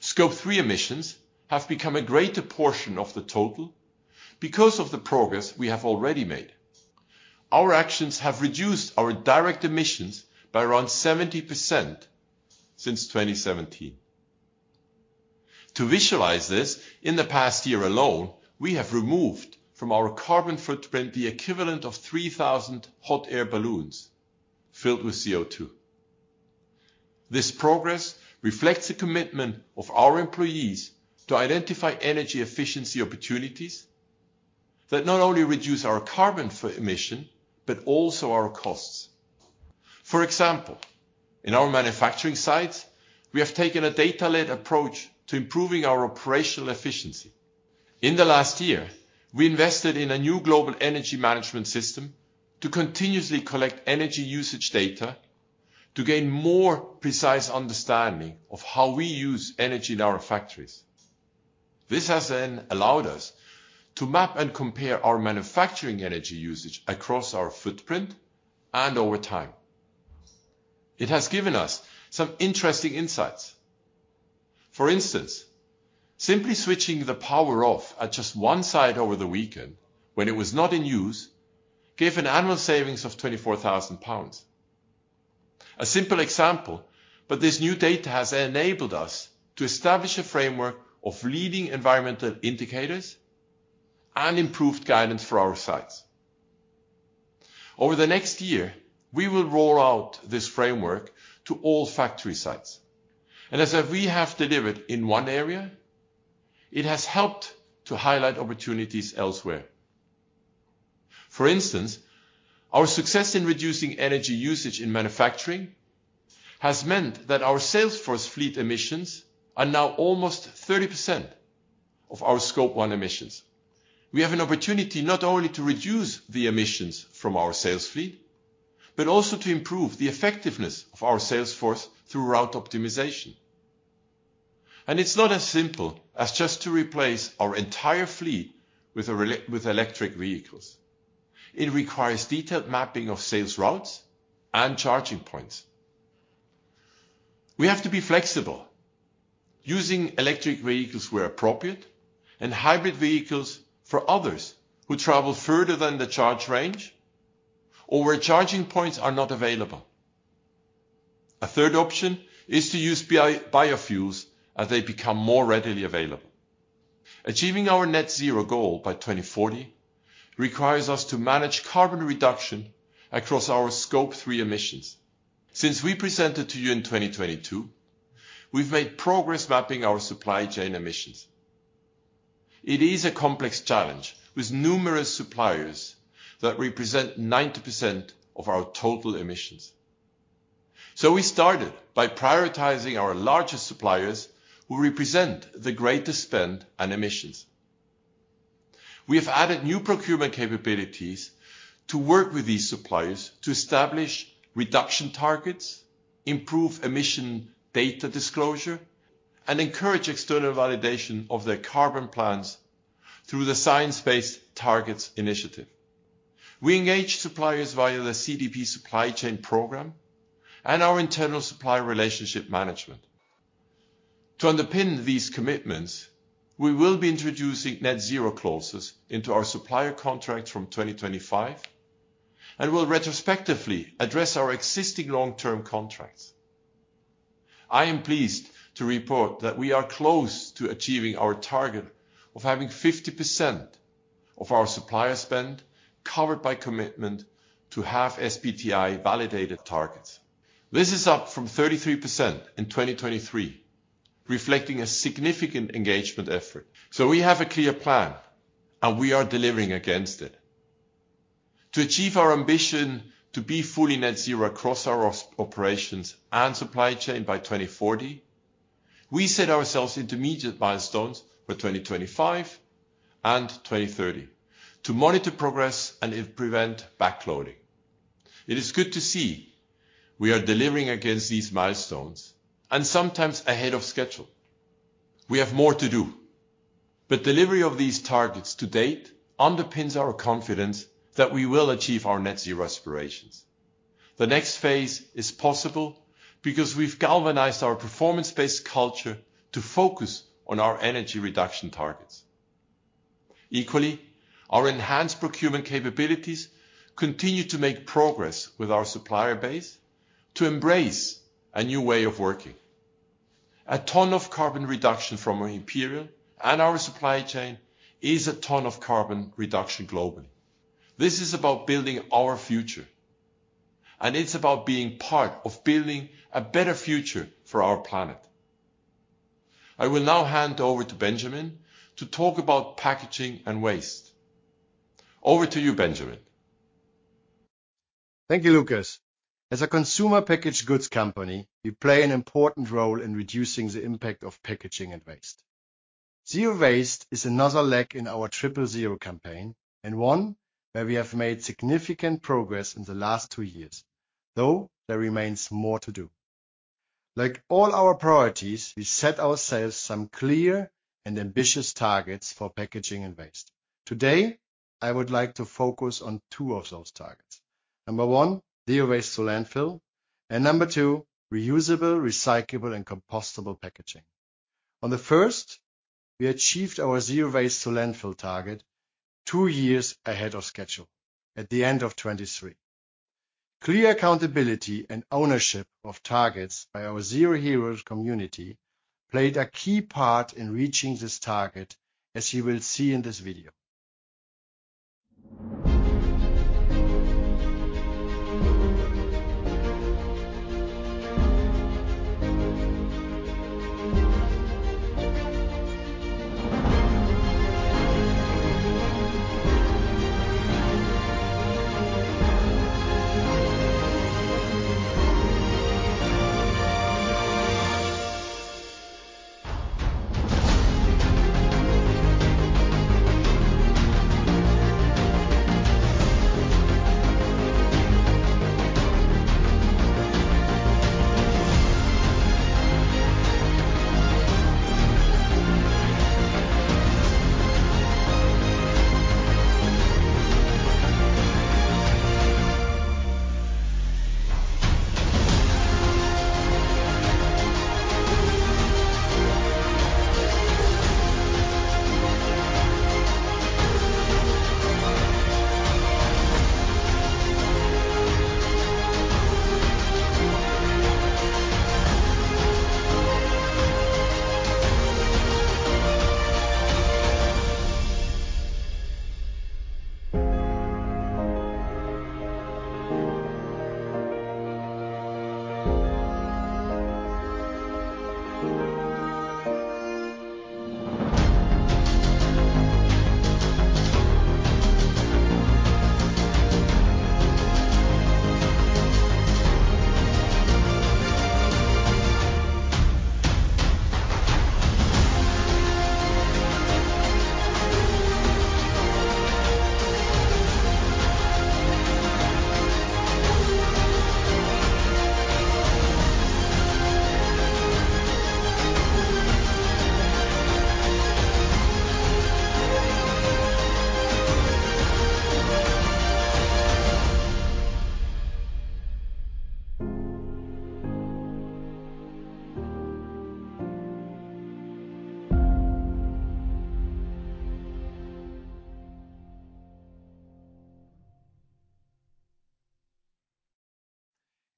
Scope 3 emissions have become a greater portion of the total because of the progress we have already made. Our actions have reduced our direct emissions by around 70% since 2017. To visualize this, in the past year alone, we have removed from our carbon footprint the equivalent of 3,000 hot air balloons filled with CO2. This progress reflects the commitment of our employees to identify energy efficiency opportunities that not only reduce our carbon emission, but also our costs. For example, in our manufacturing sites, we have taken a data-led approach to improving our operational efficiency. In the last year, we invested in a new global energy management system to continuously collect energy usage data to gain more precise understanding of how we use energy in our factories. This has then allowed us to map and compare our manufacturing energy usage across our footprint and over time. It has given us some interesting insights. For instance, simply switching the power off at just one site over the weekend when it was not in use, gave an annual savings of 24,000 pounds. A simple example, but this new data has enabled us to establish a framework of leading environmental indicators and improved guidance for our sites. Over the next year, we will roll out this framework to all factory sites, and as we have delivered in one area, it has helped to highlight opportunities elsewhere. For instance, our success in reducing energy usage in manufacturing has meant that our sales force fleet emissions are now almost 30% of our Scope 1 emissions. We have an opportunity not only to reduce the emissions from our sales fleet, but also to improve the effectiveness of our sales force through route optimization. It's not as simple as just to replace our entire fleet with electric vehicles. It requires detailed mapping of sales routes and charging points. We have to be flexible, using electric vehicles where appropriate, and hybrid vehicles for others who travel further than the charge range or where charging points are not available. A third option is to use biofuels as they become more readily available. Achieving our Net Zero goal by 2040 requires us to manage carbon reduction across our Scope 3 emissions. Since we presented to you in 2022, we've made progress mapping our supply chain emissions. It is a complex challenge with numerous suppliers that represent 90% of our total emissions. We started by prioritizing our largest suppliers, who represent the greatest spend and emissions. We have added new procurement capabilities to work with these suppliers to establish reduction targets, improve emission data disclosure, and encourage external validation of their carbon plans through the Science Based Targets initiative. We engage suppliers via the CDP supply chain program and our internal supplier relationship management. To underpin these commitments, we will be introducing net zero clauses into our supplier contracts from 2025, and we'll retrospectively address our existing long-term contracts. I am pleased to report that we are close to achieving our target of having 50% of our supplier spend covered by commitment to have SBTI-validated targets. This is up from 33% in 2023, reflecting a significant engagement effort. We have a clear plan, and we are delivering against it. To achieve our ambition to be fully net zero across our operations and supply chain by 2040, we set ourselves intermediate milestones for 2025 and 2030, to monitor progress and prevent backloading. It is good to see we are delivering against these milestones, and sometimes ahead of schedule. We have more to do, but delivery of these targets to date underpins our confidence that we will achieve our net zero aspirations. The next phase is possible because we've galvanized our performance-based culture to focus on our energy reduction targets. Equally, our enhanced procurement capabilities continue to make progress with our supplier base to embrace a new way of working. A ton of carbon reduction from Imperial and our supply chain is a ton of carbon reduction globally. This is about building our future, and it's about being part of building a better future for our planet. I will now hand over to Benjamin to talk about packaging and waste. Over to you, Benjamin. Thank you, Lukas. As a consumer packaged goods company, we play an important role in reducing the impact of packaging and waste. Zero waste is another leg in our Triple Zero campaign, and one where we have made significant progress in the last two years, though there remains more to do. Like all our priorities, we set ourselves some clear and ambitious targets for packaging and waste. Today, I would like to focus on two of those targets. Number one, zero waste to landfill, and number two, reusable, recyclable, and compostable packaging. On the first, we achieved our zero waste to landfill target two years ahead of schedule at the end of 2023. Clear accountability and ownership of targets by our Zero Heroes community played a key part in reaching this target, as you will see in this video. ...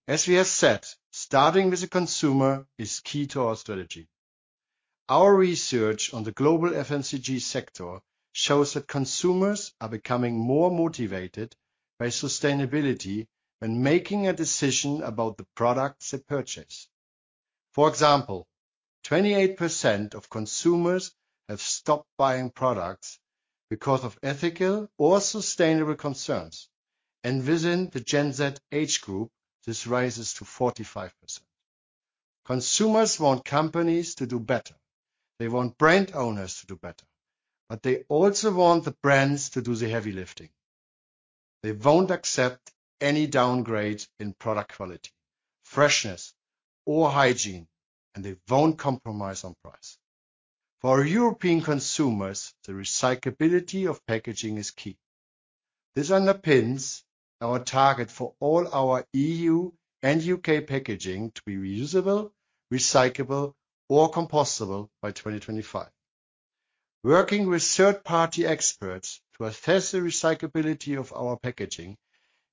As we have said, starting with the consumer is key to our strategy. Our research on the global FMCG sector shows that consumers are becoming more motivated by sustainability when making a decision about the products they purchase. For example, 28% of consumers have stopped buying products because of ethical or sustainable concerns, and within the Gen Z age group, this rises to 45%. Consumers want companies to do better. They want brand owners to do better, but they also want the brands to do the heavy lifting. They won't accept any downgrades in product quality, freshness or hygiene, and they won't compromise on price. For European consumers, the recyclability of packaging is key. This underpins our target for all our E.U. and U.K. packaging to be reusable, recyclable, or compostable by 2025. Working with third-party experts to assess the recyclability of our packaging,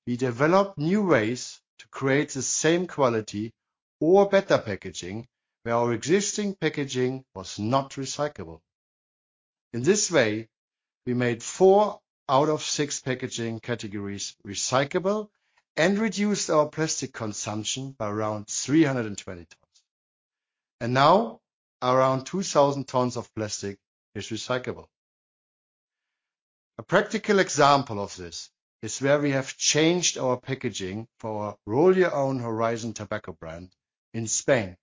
we developed new ways to create the same quality or better packaging, where our existing packaging was not recyclable. In this way, we made four out of six packaging categories recyclable and reduced our plastic consumption by around 320 tons, and now around 2,000 tons of plastic is recyclable. A practical example of this is where we have changed our packaging for our Roll Your Own Horizon tobacco brand in Spain.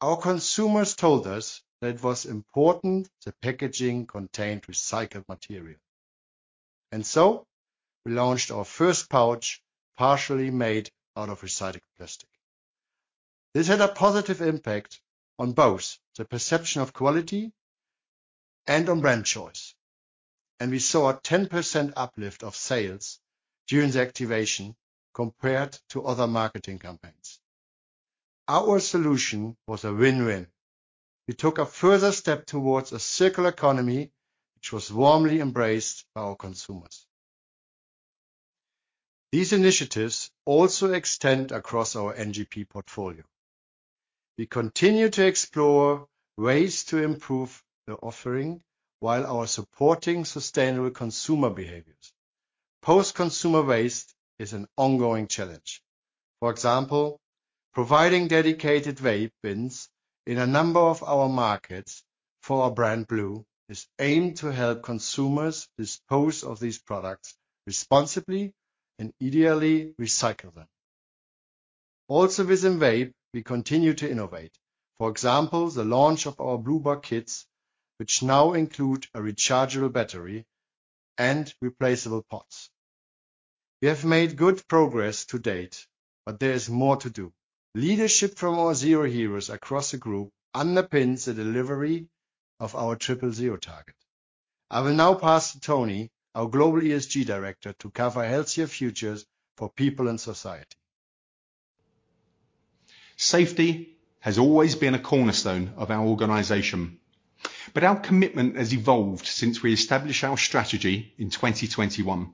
Our consumers told us that it was important the packaging contained recycled material, and so we launched our first pouch, partially made out of recycled plastic. This had a positive impact on both the perception of quality and on brand choice, and we saw a 10% uplift of sales during the activation compared to other marketing campaigns. Our solution was a win-win. We took a further step towards a circular economy, which was warmly embraced by our consumers. These initiatives also extend across our NGP portfolio. We continue to explore ways to improve the offering, while our supporting sustainable consumer behaviors. Post-consumer waste is an ongoing challenge. For example, providing dedicated vape bins in a number of our markets for our brand, blu, is aimed to help consumers dispose of these products responsibly and ideally recycle them. Also, within vape, we continue to innovate. For example, the launch of our blu bar kits, which now include a rechargeable battery and replaceable pods. We have made good progress to date, but there is more to do. Leadership from our Zero Heroes across the group underpins the delivery of our Triple Zero target. I will now pass to Tony, our Global ESG Director, to cover healthier futures for people and society. Safety has always been a cornerstone of our organization, but our commitment has evolved since we established our strategy in 2021.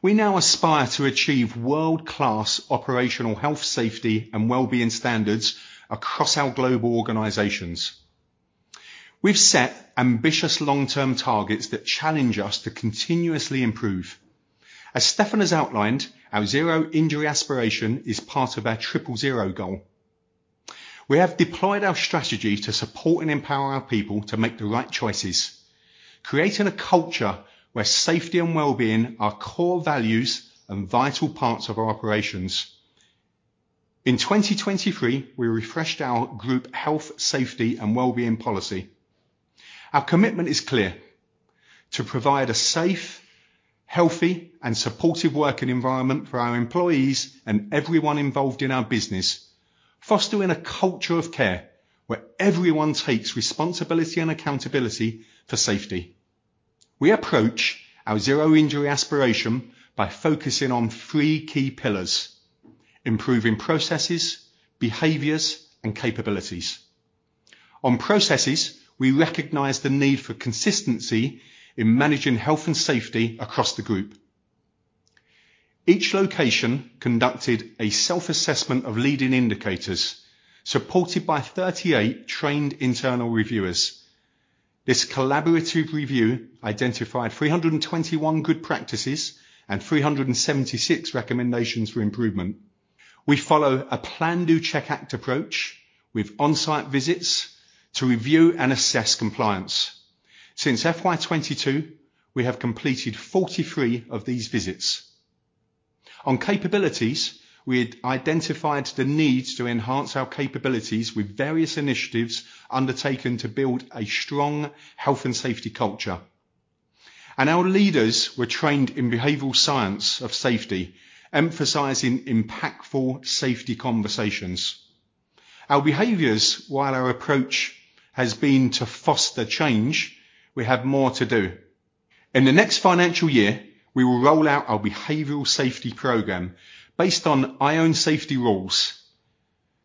We now aspire to achieve world-class operational health, safety, and well-being standards across our global organizations. We've set ambitious long-term targets that challenge us to continuously improve. As Stefan has outlined, our zero injury aspiration is part of our Triple Zero goal. We have deployed our strategy to support and empower our people to make the right choices, creating a culture where safety and well-being are core values and vital parts of our operations. In 2023, we refreshed our group health, safety, and well-being policy. Our commitment is clear: to provide a safe, healthy, and supportive working environment for our employees and everyone involved in our business, fostering a culture of care where everyone takes responsibility and accountability for safety. We approach our zero injury aspiration by focusing on three key pillars: improving processes, behaviors, and capabilities. On processes, we recognize the need for consistency in managing health and safety across the group. Each location conducted a self-assessment of leading indicators, supported by 38 trained internal reviewers. This collaborative review identified 321 good practices and 376 recommendations for improvement. We follow a plan, do, check, act approach with on-site visits to review and assess compliance. Since FY 2022, we have completed 43 of these visits. On capabilities, we had identified the need to enhance our capabilities with various initiatives undertaken to build a strong health and safety culture, and our leaders were trained in behavioral science of safety, emphasizing impactful safety conversations. On behaviors, while our approach has been to foster change, we have more to do. In the next financial year, we will roll out our behavioral safety program based on I Own Safety rules.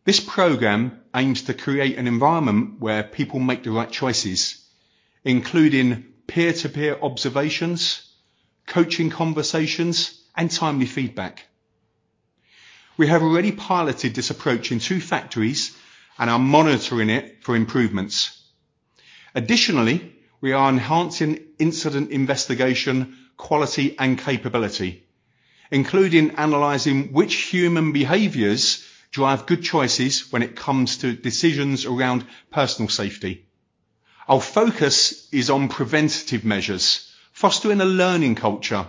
This program aims to create an environment where people make the right choices, including peer-to-peer observations, coaching conversations, and timely feedback. We have already piloted this approach in two factories and are monitoring it for improvements. Additionally, we are enhancing incident investigation, quality, and capability, including analyzing which human behaviors drive good choices when it comes to decisions around personal safety. Our focus is on preventative measures, fostering a learning culture,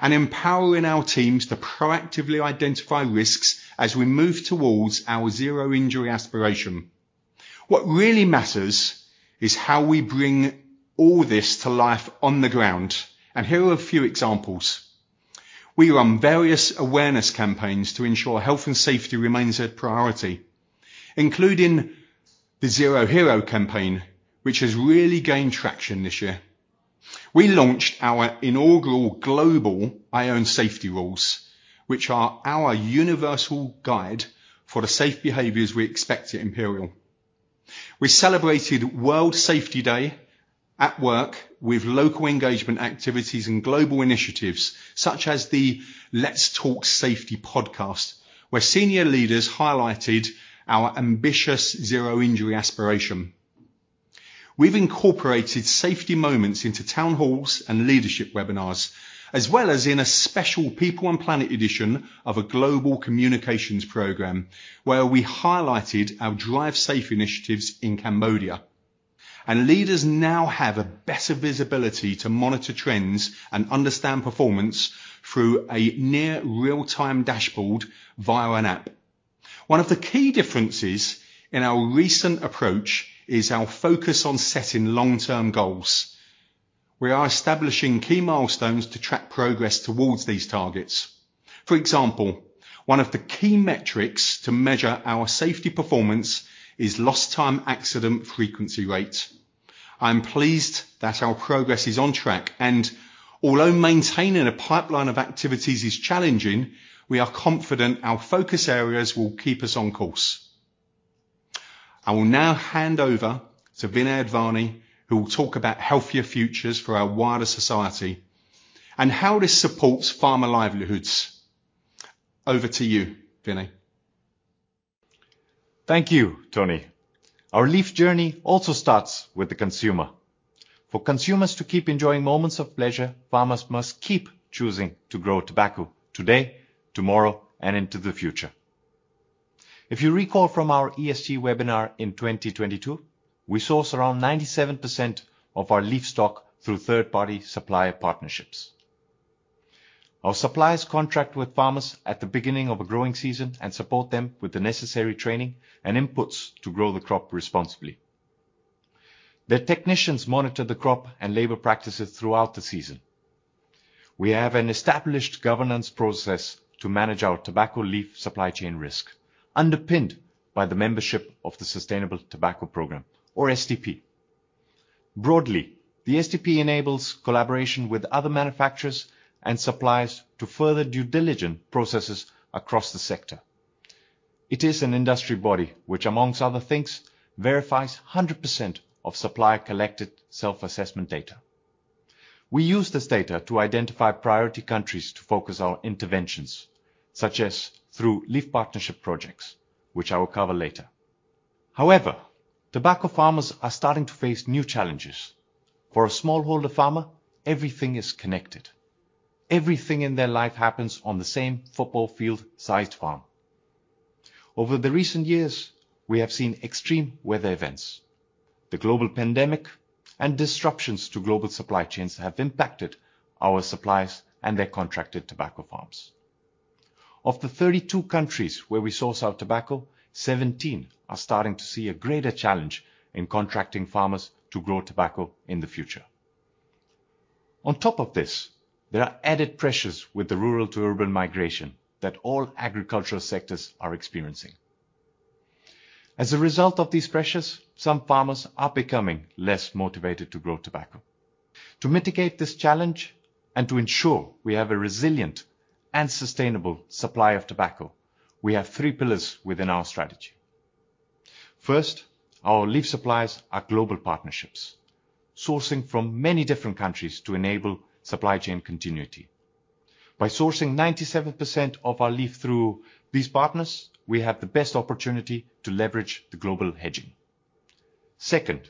and empowering our teams to proactively identify risks as we move towards our zero injury aspiration. What really matters is how we bring all this to life on the ground, and here are a few examples. We run various awareness campaigns to ensure health and safety remains a priority, including the Zero Heroes campaign, which has really gained traction this year. We launched our inaugural global I Own Safety rules, which are our universal guide for the safe behaviors we expect at Imperial. We celebrated World Safety Day at work with local engagement activities and global initiatives, such as the Let's Talk Safety podcast, where senior leaders highlighted our ambitious zero injury aspiration. We've incorporated safety moments into town halls and leadership webinars, as well as in a special People and Planet edition of a global communications program, where we highlighted our Drive Safe initiatives in Cambodia. And leaders now have a better visibility to monitor trends and understand performance through a near real-time dashboard via an app. One of the key differences in our recent approach is our focus on setting long-term goals. We are establishing key milestones to track progress towards these targets. For example, one of the key metrics to measure our safety performance is Lost Time Accident Frequency Rate. I'm pleased that our progress is on track, and although maintaining a pipeline of activities is challenging, we are confident our focus areas will keep us on course. I will now hand over to Vinay Advani, who will talk about healthier futures for our wider society and how this supports farmer livelihoods. Over to you, Vinay. Thank you, Tony. Our leaf journey also starts with the consumer. For consumers to keep enjoying moments of pleasure, farmers must keep choosing to grow tobacco today, tomorrow, and into the future. If you recall from our ESG webinar in 2022, we source around 97% of our leaf stock through third-party supplier partnerships. Our suppliers contract with farmers at the beginning of a growing season and support them with the necessary training and inputs to grow the crop responsibly. Their technicians monitor the crop and labor practices throughout the season. We have an established governance process to manage our tobacco leaf supply chain risk, underpinned by the membership of the Sustainable Tobacco Program or STP. Broadly, the STP enables collaboration with other manufacturers and suppliers to further due diligence processes across the sector. It is an industry body which, among other things, verifies 100% of supplier-collected self-assessment data. We use this data to identify priority countries to focus our interventions, such as through leaf partnership projects, which I will cover later. However, tobacco farmers are starting to face new challenges. For a smallholder farmer, everything is connected. Everything in their life happens on the same football field-sized farm. Over the recent years, we have seen extreme weather events. The global pandemic and disruptions to global supply chains have impacted our suppliers and their contracted tobacco farms. Of the 32 countries where we source our tobacco, 17 are starting to see a greater challenge in contracting farmers to grow tobacco in the future. On top of this, there are added pressures with the rural-to-urban migration that all agricultural sectors are experiencing. As a result of these pressures, some farmers are becoming less motivated to grow tobacco. To mitigate this challenge and to ensure we have a resilient and sustainable supply of tobacco, we have three pillars within our strategy. First, our leaf suppliers are global partnerships, sourcing from many different countries to enable supply chain continuity. By sourcing 97% of our leaf through these partners, we have the best opportunity to leverage the global hedging. Second,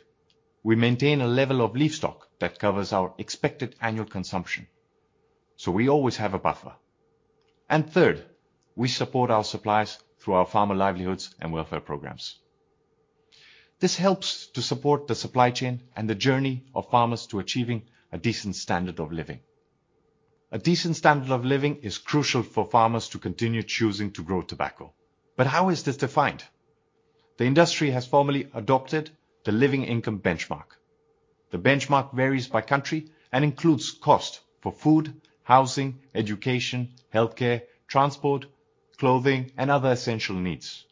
we maintain a level of leaf stock that covers our expected annual consumption, so we always have a buffer. And third, we support our suppliers through our farmer livelihoods and welfare programs. This helps to support the supply chain and the journey of farmers to achieving a decent standard of living. A decent standard of living is crucial for farmers to continue choosing to grow tobacco. But how is this defined? The industry has formally adopted the Living Income Benchmark. The benchmark varies by country and includes cost for food, housing, education, healthcare, transport, clothing, and other essential needs.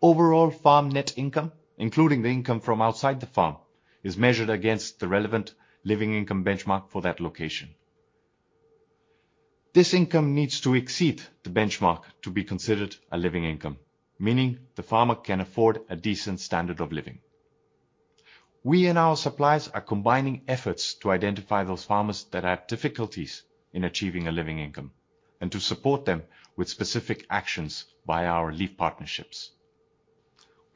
Overall, farm net income, including the income from outside the farm, is measured against the relevant Living Income benchmark for that location. This income needs to exceed the benchmark to be considered a living income, meaning the farmer can afford a decent standard of living. We and our suppliers are combining efforts to identify those farmers that have difficulties in achieving a living income, and to support them with specific actions via our leaf partnerships.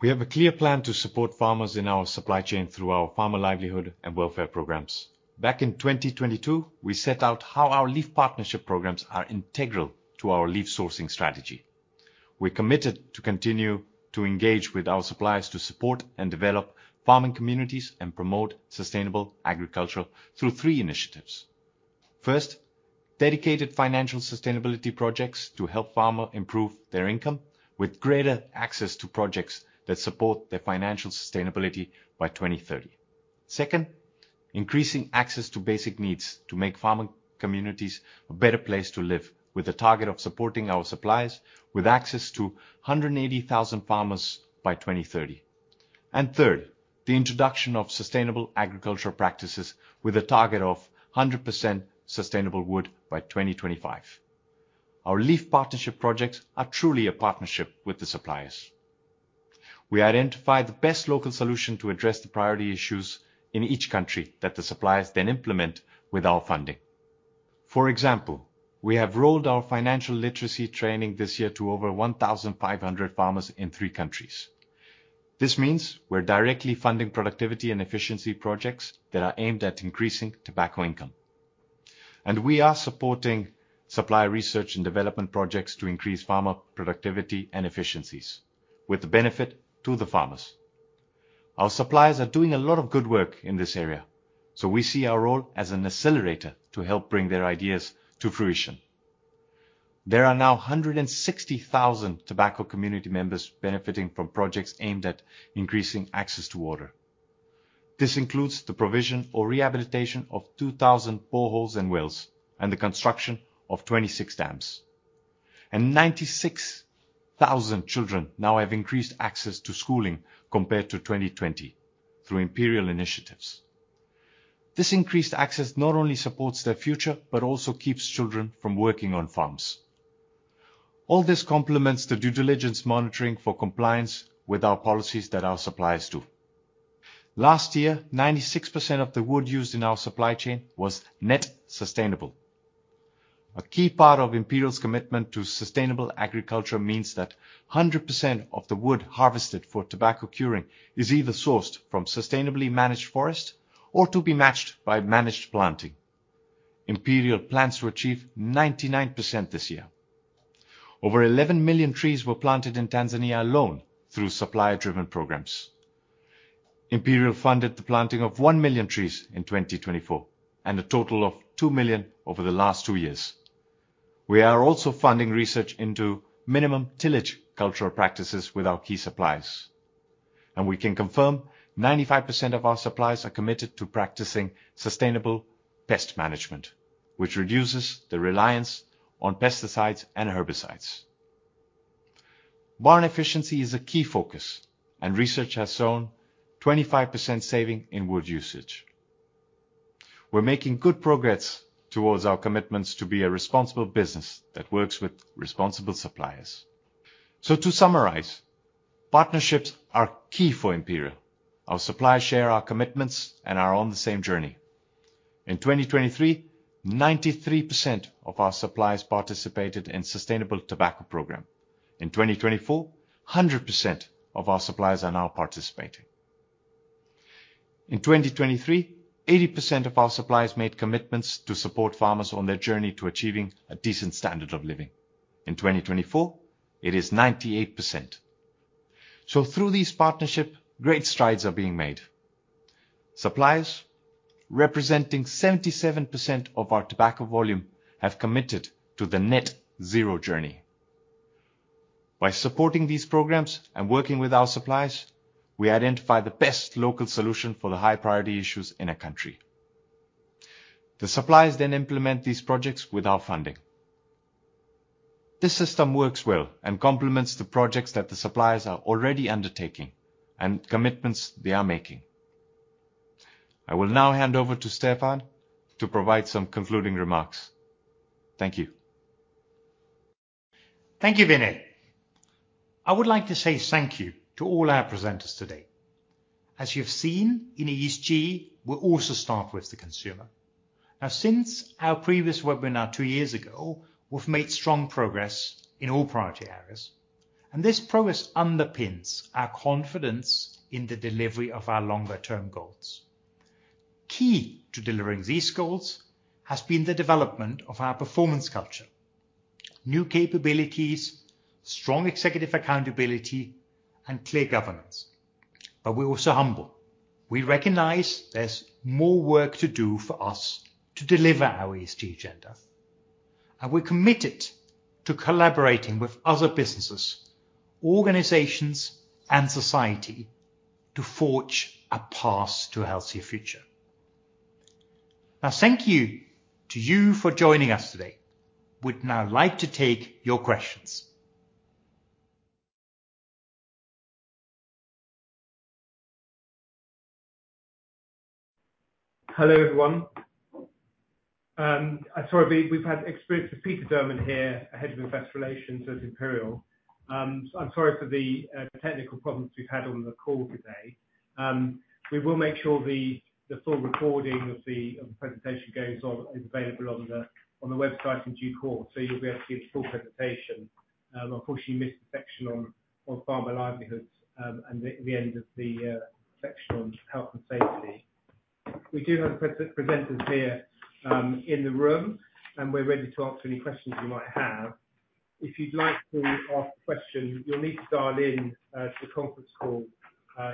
We have a clear plan to support farmers in our supply chain through our farmer livelihood and welfare programs. Back in 2022, we set out how our leaf partnership programs are integral to our leaf sourcing strategy. We're committed to continue to engage with our suppliers to support and develop farming communities and promote sustainable agriculture through three initiatives. First, dedicated financial sustainability projects to help farmers improve their income with greater access to projects that support their financial sustainability by 2030. Second, increasing access to basic needs to make farming communities a better place to live, with a target of supporting our suppliers with access to 180,000 farmers by 2030. And third, the introduction of sustainable agricultural practices with a target of 100% sustainable wood by 2025. Our leaf partnership projects are truly a partnership with the suppliers. We identify the best local solution to address the priority issues in each country that the suppliers then implement with our funding. For example, we have rolled out our financial literacy training this year to over 1,500 farmers in three countries. This means we're directly funding productivity and efficiency projects that are aimed at increasing tobacco income. We are supporting supplier research and development projects to increase farmer productivity and efficiencies, with the benefit to the farmers. Our suppliers are doing a lot of good work in this area, so we see our role as an accelerator to help bring their ideas to fruition. There are now 160,000 tobacco community members benefiting from projects aimed at increasing access to water. This includes the provision or rehabilitation of 2,000 boreholes and wells, and the construction of 26 dams. 96000 children now have increased access to schooling compared to 2020, through Imperial initiatives. This increased access not only supports their future, but also keeps children from working on farms. All this complements the due diligence monitoring for compliance with our policies that our suppliers do. Last year, 96% of the wood used in our supply chain was net sustainable. A key part of Imperial's commitment to sustainable agriculture means that 100% of the wood harvested for tobacco curing is either sourced from sustainably managed forest or to be matched by managed planting. Imperial plans to achieve 99% this year. Over 11 million trees were planted in Tanzania alone through supplier-driven programs. Imperial funded the planting of 1 million trees in 2024, and a total of 2 million over the last two years. We are also funding research into minimum tillage cultural practices with our key suppliers. And we can confirm 95% of our suppliers are committed to practicing sustainable pest management, which reduces the reliance on pesticides and herbicides. Barn efficiency is a key focus, and research has shown 25% saving in wood usage. We're making good progress towards our commitments to be a responsible business that works with responsible suppliers. So to summarize, partnerships are key for Imperial. Our suppliers share our commitments and are on the same journey. In 2023, 93% of our suppliers participated in Sustainable Tobacco Program. In 2024, 100% of our suppliers are now participating. In 2023, 80% of our suppliers made commitments to support farmers on their journey to achieving a decent standard of living. In 2024, it is 98%. So through these partnership, great strides are being made. Suppliers, representing 77% of our tobacco volume, have committed to the net zero journey. By supporting these programs and working with our suppliers, we identify the best local solution for the high priority issues in a country. The suppliers then implement these projects with our funding. This system works well and complements the projects that the suppliers are already undertaking, and commitments they are making. I will now hand over to Stefan to provide some concluding remarks. Thank you. Thank you, Vinay. I would like to say thank you to all our presenters today. As you've seen, in ESG, we also start with the consumer. Now, since our previous webinar two years ago, we've made strong progress in all priority areas, and this progress underpins our confidence in the delivery of our longer-term goals. Key to delivering these goals has been the development of our performance culture, new capabilities, strong executive accountability, and clear governance. But we're also humble. We recognize there's more work to do for us to deliver our ESG agenda, and we're committed to collaborating with other businesses, organizations, and society, to forge a path to a healthier future. Now, thank you to you for joining us today. We'd now like to take your questions. Hello, everyone. I'm sorry, we have Peter Durman here, Head of Investor Relations at Imperial. I'm sorry for the technical problems we've had on the call today. We will make sure the full recording of the presentation is available on the website in due course, so you'll be able to get the full presentation. Of course, you missed the section on farmer livelihoods, and the end of the section on health and safety. We do have presenters here in the room, and we're ready to answer any questions you might have. If you'd like to ask a question, you'll need to dial in to the conference call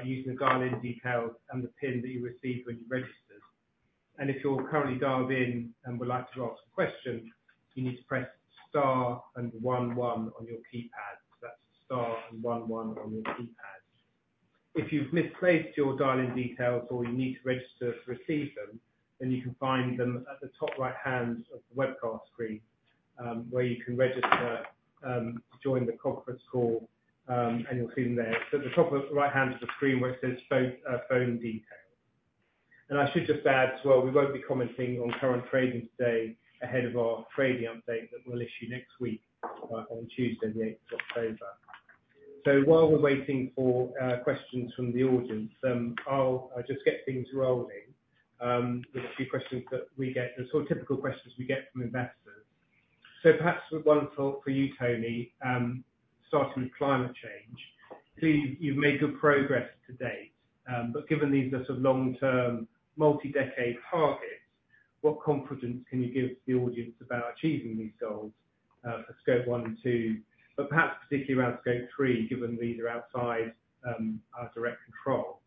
using the dial-in details and the PIN that you received when you registered. If you're currently dialed in and would like to ask a question, you need to press star and one one on your keypad. That's star and one one on your keypad. If you've misplaced your dial-in details or you need to register to receive them, then you can find them at the top right-hand of the webcast screen, where you can register to join the conference call, and you'll see them there. At the top right-hand of the screen where it says phone phone details. I should just add as well, we won't be commenting on current trading today, ahead of our trading update that we'll issue next week on Tuesday, the eighth of October. So while we're waiting for questions from the audience, I'll just get things rolling with a few questions that we get, the sort of typical questions we get from investors. So perhaps one for you, Tony, starting with climate change. So you've made good progress to date, but given these are sort of long-term, multi-decade targets, what confidence can you give to the audience about achieving these goals for Scope 1 and 2, but perhaps particularly around Scope three, given these are outside our direct control?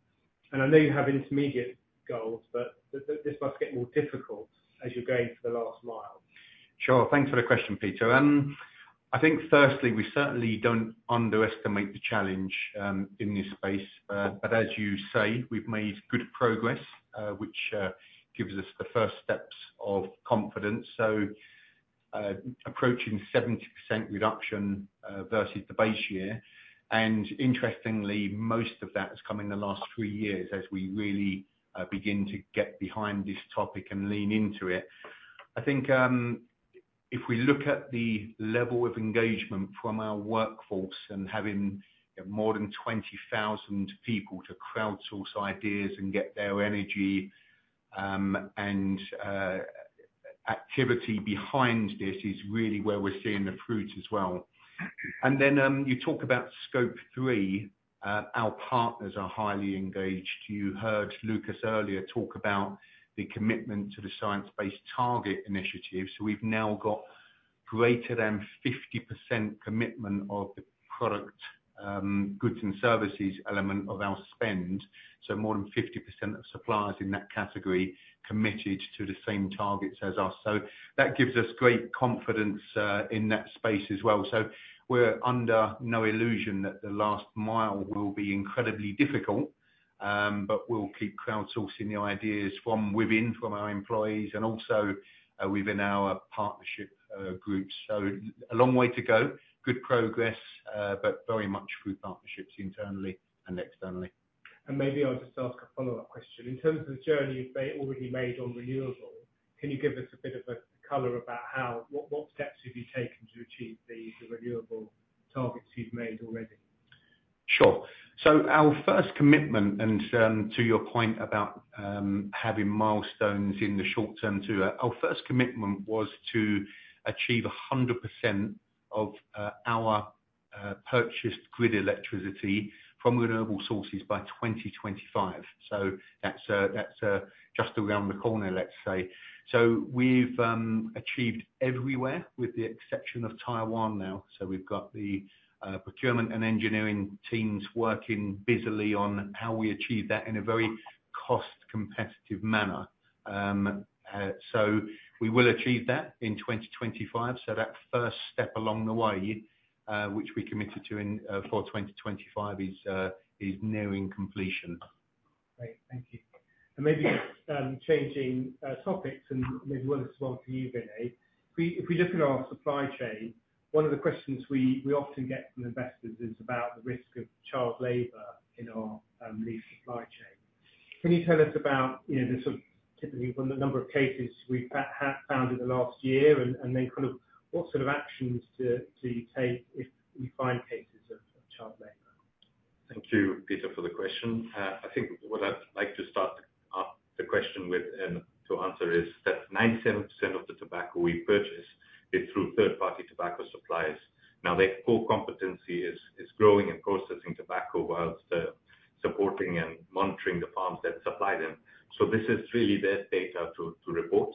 And I know you have intermediate goals, but this must get more difficult as you're going for the last mile. Sure. Thanks for the question, Peter. I think firstly, we certainly don't underestimate the challenge in this space, but as you say, we've made good progress, which gives us the first steps of confidence. So, approaching 70% reduction versus the base year, and interestingly, most of that has come in the last three years, as we really begin to get behind this topic and lean into it. I think, if we look at the level of engagement from our workforce, and having more than 20,000 people to crowdsource ideas and get their energy, and activity behind this, is really where we're seeing the fruit as well. And then, you talk about Scope 3, our partners are highly engaged. You heard Lukas earlier, talk about the commitment to the Science Based Targets initiative. So we've now got greater than 50% commitment of the product, goods and services element of our spend, so more than 50% of suppliers in that category, committed to the same targets as us. So, that gives us great confidence in that space as well. So, we're under no illusion that the last mile will be incredibly difficult, but we'll keep crowdsourcing the ideas from within, from our employees, and also, within our partnership groups. So a long way to go, good progress, but very much through partnerships internally and externally. Maybe I'll just ask a follow-up question. In terms of the journey you've already made on renewables, can you give us a bit of a color about how... What steps have you taken to achieve the renewable targets you've made already? Sure. So our first commitment, and to your point about having milestones in the short term, too, our first commitment was to achieve 100% of our purchased grid electricity from renewable sources by 2025. So that's just around the corner, let's say. So we've achieved everywhere, with the exception of Taiwan now. So we've got the procurement and engineering teams working busily on how we achieve that in a very cost-competitive manner. So we will achieve that in 2025. So that first step along the way, which we committed to in for 2025, is nearing completion. Great, thank you. And maybe changing topics, and maybe one as well for you, Vinay. If we look at our supply chain, one of the questions we often get from investors is about the risk of child labor in our leaf supply chain. Can you tell us about, you know, the sort of typically from the number of cases we found in the last year, and then kind of what sort of actions do you take if you find cases of child labor? Thank you, Peter, for the question. I think what I'd like to start off the question with, to answer is that 97% of the tobacco we purchase is through third-party tobacco suppliers. Now, their core competency is growing and processing tobacco, while supporting and monitoring the farms that supply them. So this is really their data to report.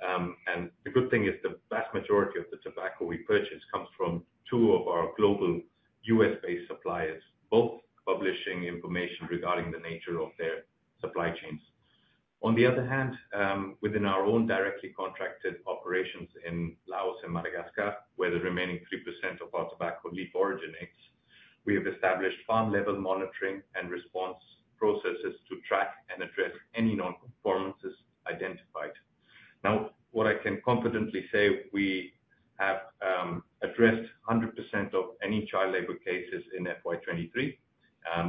And the good thing is the vast majority of the tobacco we purchase comes from two of our global U.S.-based suppliers, both publishing information regarding the nature of their supply chains. On the other hand, within our own directly contracted operations in Laos and Madagascar, where the remaining 3% of our tobacco leaf originates, we have established farm level monitoring and response processes to track and address any non-conformances identified. Now, what I can confidently say, we have addressed 100% of any child labor cases in FY 2023.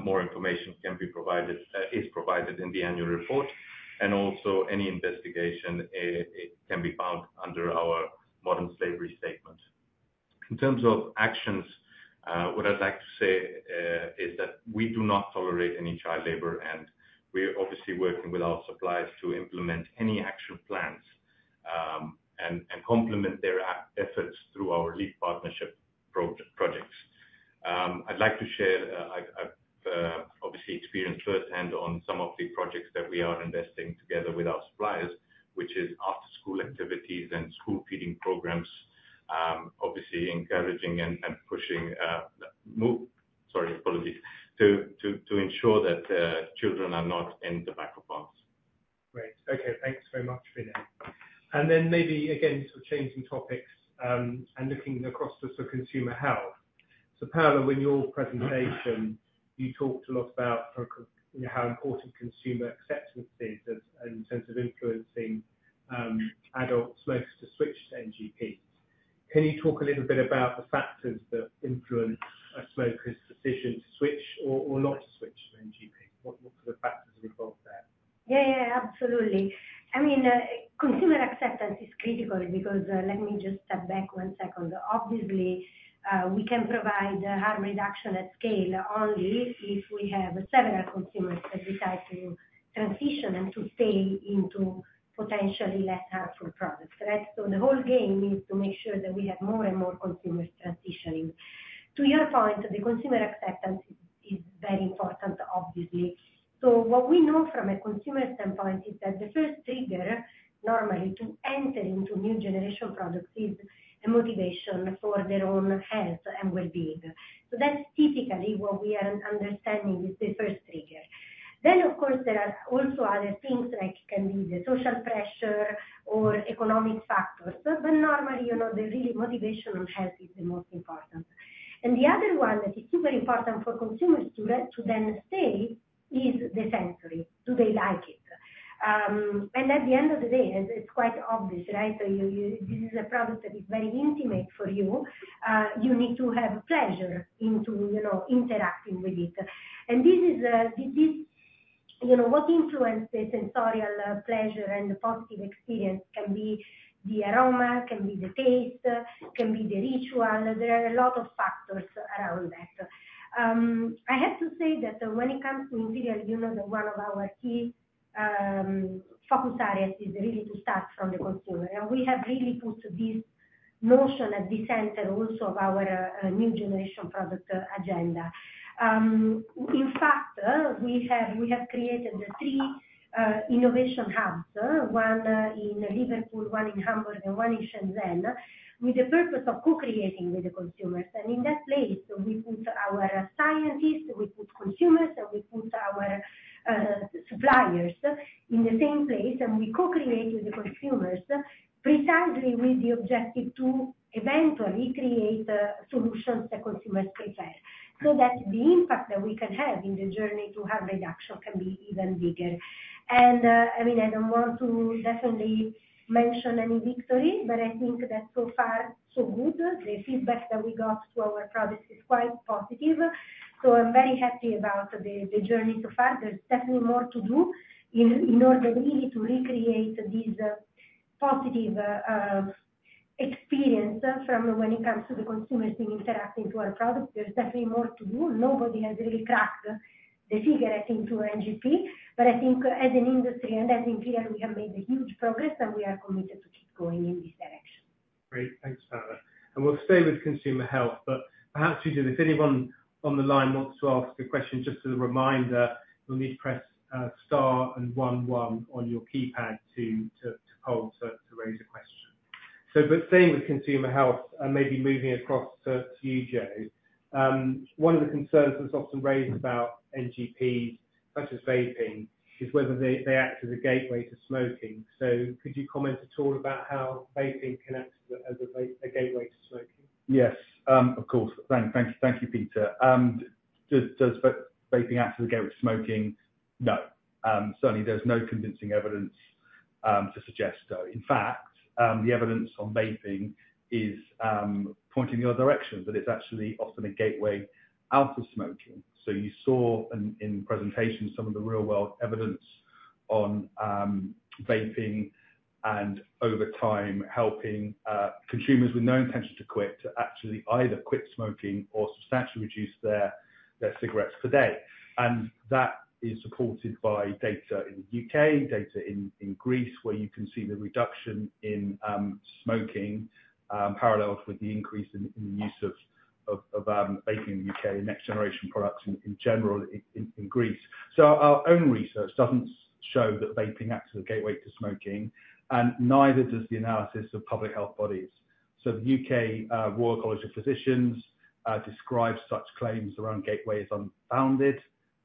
More information is provided in the Annual Report, and also any investigation can be found under our Modern Slavery Statement. In terms of actions, what I'd like to say is that we do not tolerate any child labor, and we're obviously working with our suppliers to implement any action plans, and complement their efforts through our leaf partnership projects. I'd like to share, I've obviously experienced firsthand on some of the projects that we are investing together with our suppliers, which is after-school activities and school feeding programs. positive experience can be the aroma, can be the taste, can be the ritual. There are a lot of factors around that. I have to say that when it comes to innovation, you know, that one of our key focus areas is really to start from the consumer. And we have really put this notion at the center also of our new generation product agenda. In fact, we have created the three innovation hubs, one in Liverpool, one in Hamburg, and one in Shenzhen, with the purpose of co-creating with the consumers. And in that place, we put our scientists, consumers, and our suppliers in the same place. And we co-create with the consumers precisely with the objective to eventually create solutions that consumers prefer. So that the impact that we can have in the journey to harm reduction can be even bigger. And I mean, I don't want to definitely mention any victory, but I think that so far, so good. The feedback that we got to our products is quite positive. So I'm very happy about the journey so far. There's definitely more to do in order really to recreate this positive experience from when it comes to the consumers interacting to our product. There's definitely more to do. Nobody has really cracked the figure, I think, to NGP, but I think as an industry and as Imperial, we have made a huge progress, and we are committed to keep going in this direction.... Great, thanks, Paola. And we'll stay with consumer health, but perhaps we do, if anyone on the line wants to ask a question, just as a reminder, you'll need to press star and one one on your keypad to raise a question. So, but staying with consumer health and maybe moving across to you, Joe, one of the concerns that's often raised about NGP, such as vaping, is whether they act as a gateway to smoking. So could you comment at all about how vaping can act as a gateway to smoking? Yes, of course. Thank you, Peter. Does vaping act as a gateway to smoking? No, certainly there's no convincing evidence to suggest so. In fact, the evidence on vaping is pointing the other direction, that it's actually often a gateway out of smoking. So you saw in the presentation, some of the real-world evidence on vaping and over time, helping consumers with no intention to quit, to actually either quit smoking or substantially reduce their cigarettes per day. And that is supported by data in the UK, data in Greece, where you can see the reduction in smoking paralleled with the increase in the use of vaping in the UK, and next generation products in general in Greece. So our own research doesn't show that vaping acts as a gateway to smoking, and neither does the analysis of public health bodies. So the U.K., Royal College of Physicians, describes such claims around gateways as unfounded,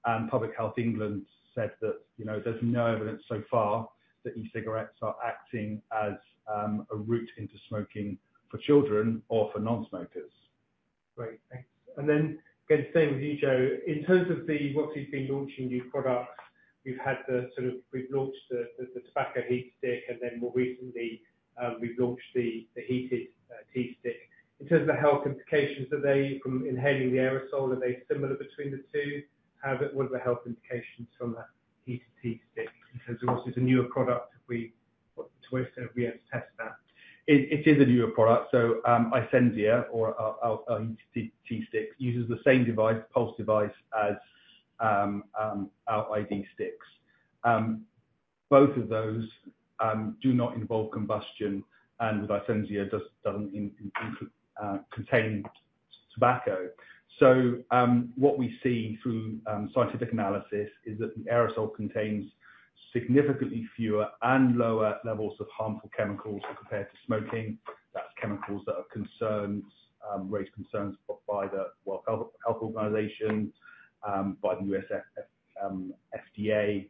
and Public Health England said that, you know, there's no evidence so far that e-cigarettes are acting as a route into smoking for children or for non-smokers. Great, thanks. And then, again, staying with you, Joe, in terms of what we've been launching new products, we've had the sort of we've launched the tobacco heat stick, and then more recently, we've launched the heated tea stick. In terms of the health implications, are they from inhaling the aerosol, are they similar between the two? What are the health indications from that heated tea stick? Because obviously, it's a newer product, we to an extent we have to test that. It is a newer product, so iSenzia, or our heated tea stick, uses the same device, Pulze device, as our iD sticks. Both of those do not involve combustion, and the iSenzia doesn't contain tobacco. So what we've seen through scientific analysis is that the aerosol contains significantly fewer and lower levels of harmful chemicals compared to smoking. That's chemicals that raise concerns by the World Health Organization, by the US FDA,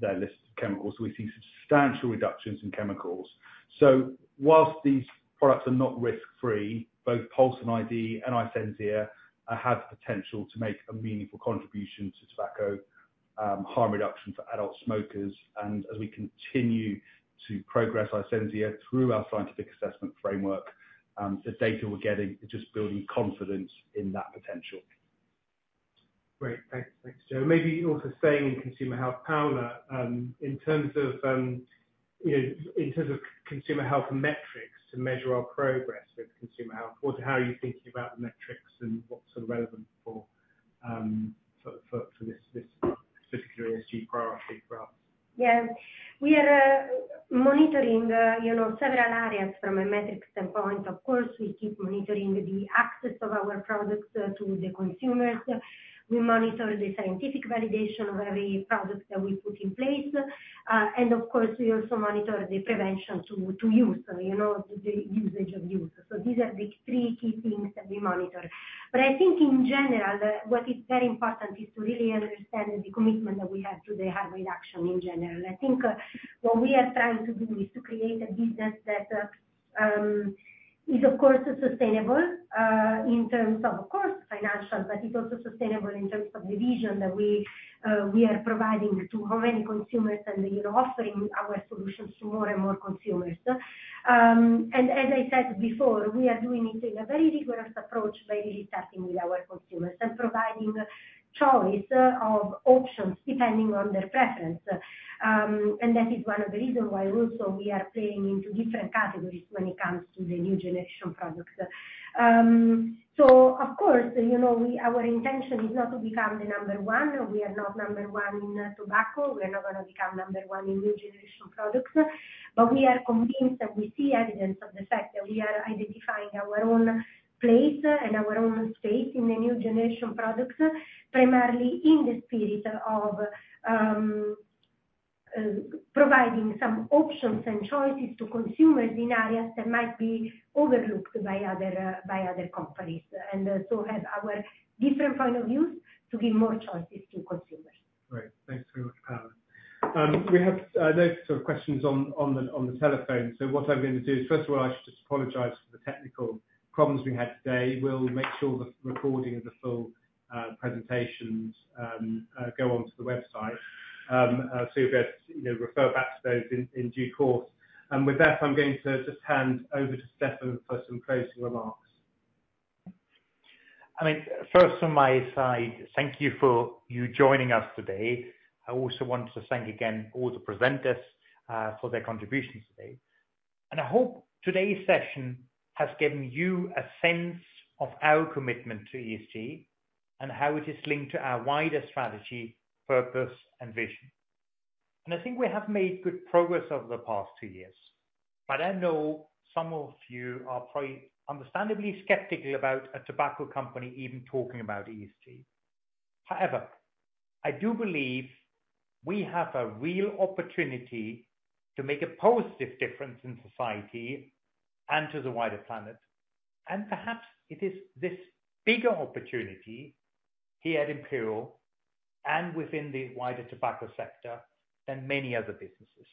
their list of chemicals. We've seen substantial reductions in chemicals. So while these products are not risk-free, both Pulze and iD and iSenzia have the potential to make a meaningful contribution to tobacco harm reduction for adult smokers. As we continue to progress iSenzia through our scientific assessment framework, the data we're getting is just building confidence in that potential. Great. Thanks. Thanks, Joe. Maybe also staying in consumer health, Paola, in terms of, you know, in terms of consumer health metrics to measure our progress with consumer health, how are you thinking about the metrics and what's relevant for this specific ESG priority for us? Yeah. We are monitoring, you know, several areas from a metrics standpoint. Of course, we keep monitoring the access of our products to the consumers. We monitor the scientific validation of every product that we put in place, and of course, we also monitor the prevention to use, you know, the usage and use. So these are the three key things that we monitor. But I think in general, the... what is very important is to really understand the commitment that we have to the harm reduction in general. I think what we are trying to do is to create a business that is of course sustainable in terms of of course financial, but it's also sustainable in terms of the vision that we are providing to how many consumers and you know offering our solutions to more and more consumers. And as I said before, we are doing it in a very rigorous approach by really starting with our consumers and providing choice of options depending on their preference. And that is one of the reasons why also we are playing into different categories when it comes to the new generation products. So of course you know our intention is not to become the number one. We are not number one in tobacco. We are not gonna become number one in new generation products, but we are convinced that we see evidence of the fact that we are identifying our own place, and our own space in the new generation products, primarily in the spirit of providing some options and choices to consumers in areas that might be overlooked by other companies. And so as our different point of view, to give more choices to consumers. Great. Thanks very much, Paola. We have no sort of questions on the telephone, so what I'm going to do, first of all, I should just apologize for the technical problems we had today. We'll make sure the recording of the full presentations go onto the website. So you'll be able to, you know, refer back to those in due course. And with that, I'm going to just hand over to Stefan for some closing remarks. I mean, first on my side, thank you for joining us today. I also want to thank again all the presenters for their contributions today. I hope today's session has given you a sense of our commitment to ESG and how it is linked to our wider strategy, purpose, and vision. I think we have made good progress over the past two years, but I know some of you are probably understandably skeptical about a tobacco company even talking about ESG. However, I do believe we have a real opportunity to make a positive difference in society and to the wider planet, and perhaps it is this bigger opportunity here at Imperial and within the wider tobacco sector than many other businesses.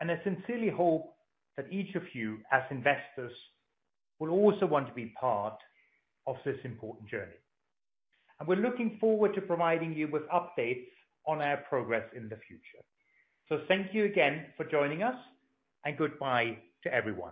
I sincerely hope that each of you, as investors, will also want to be part of this important journey, and we're looking forward to providing you with updates on our progress in the future. Thank you again for joining us, and goodbye to everyone.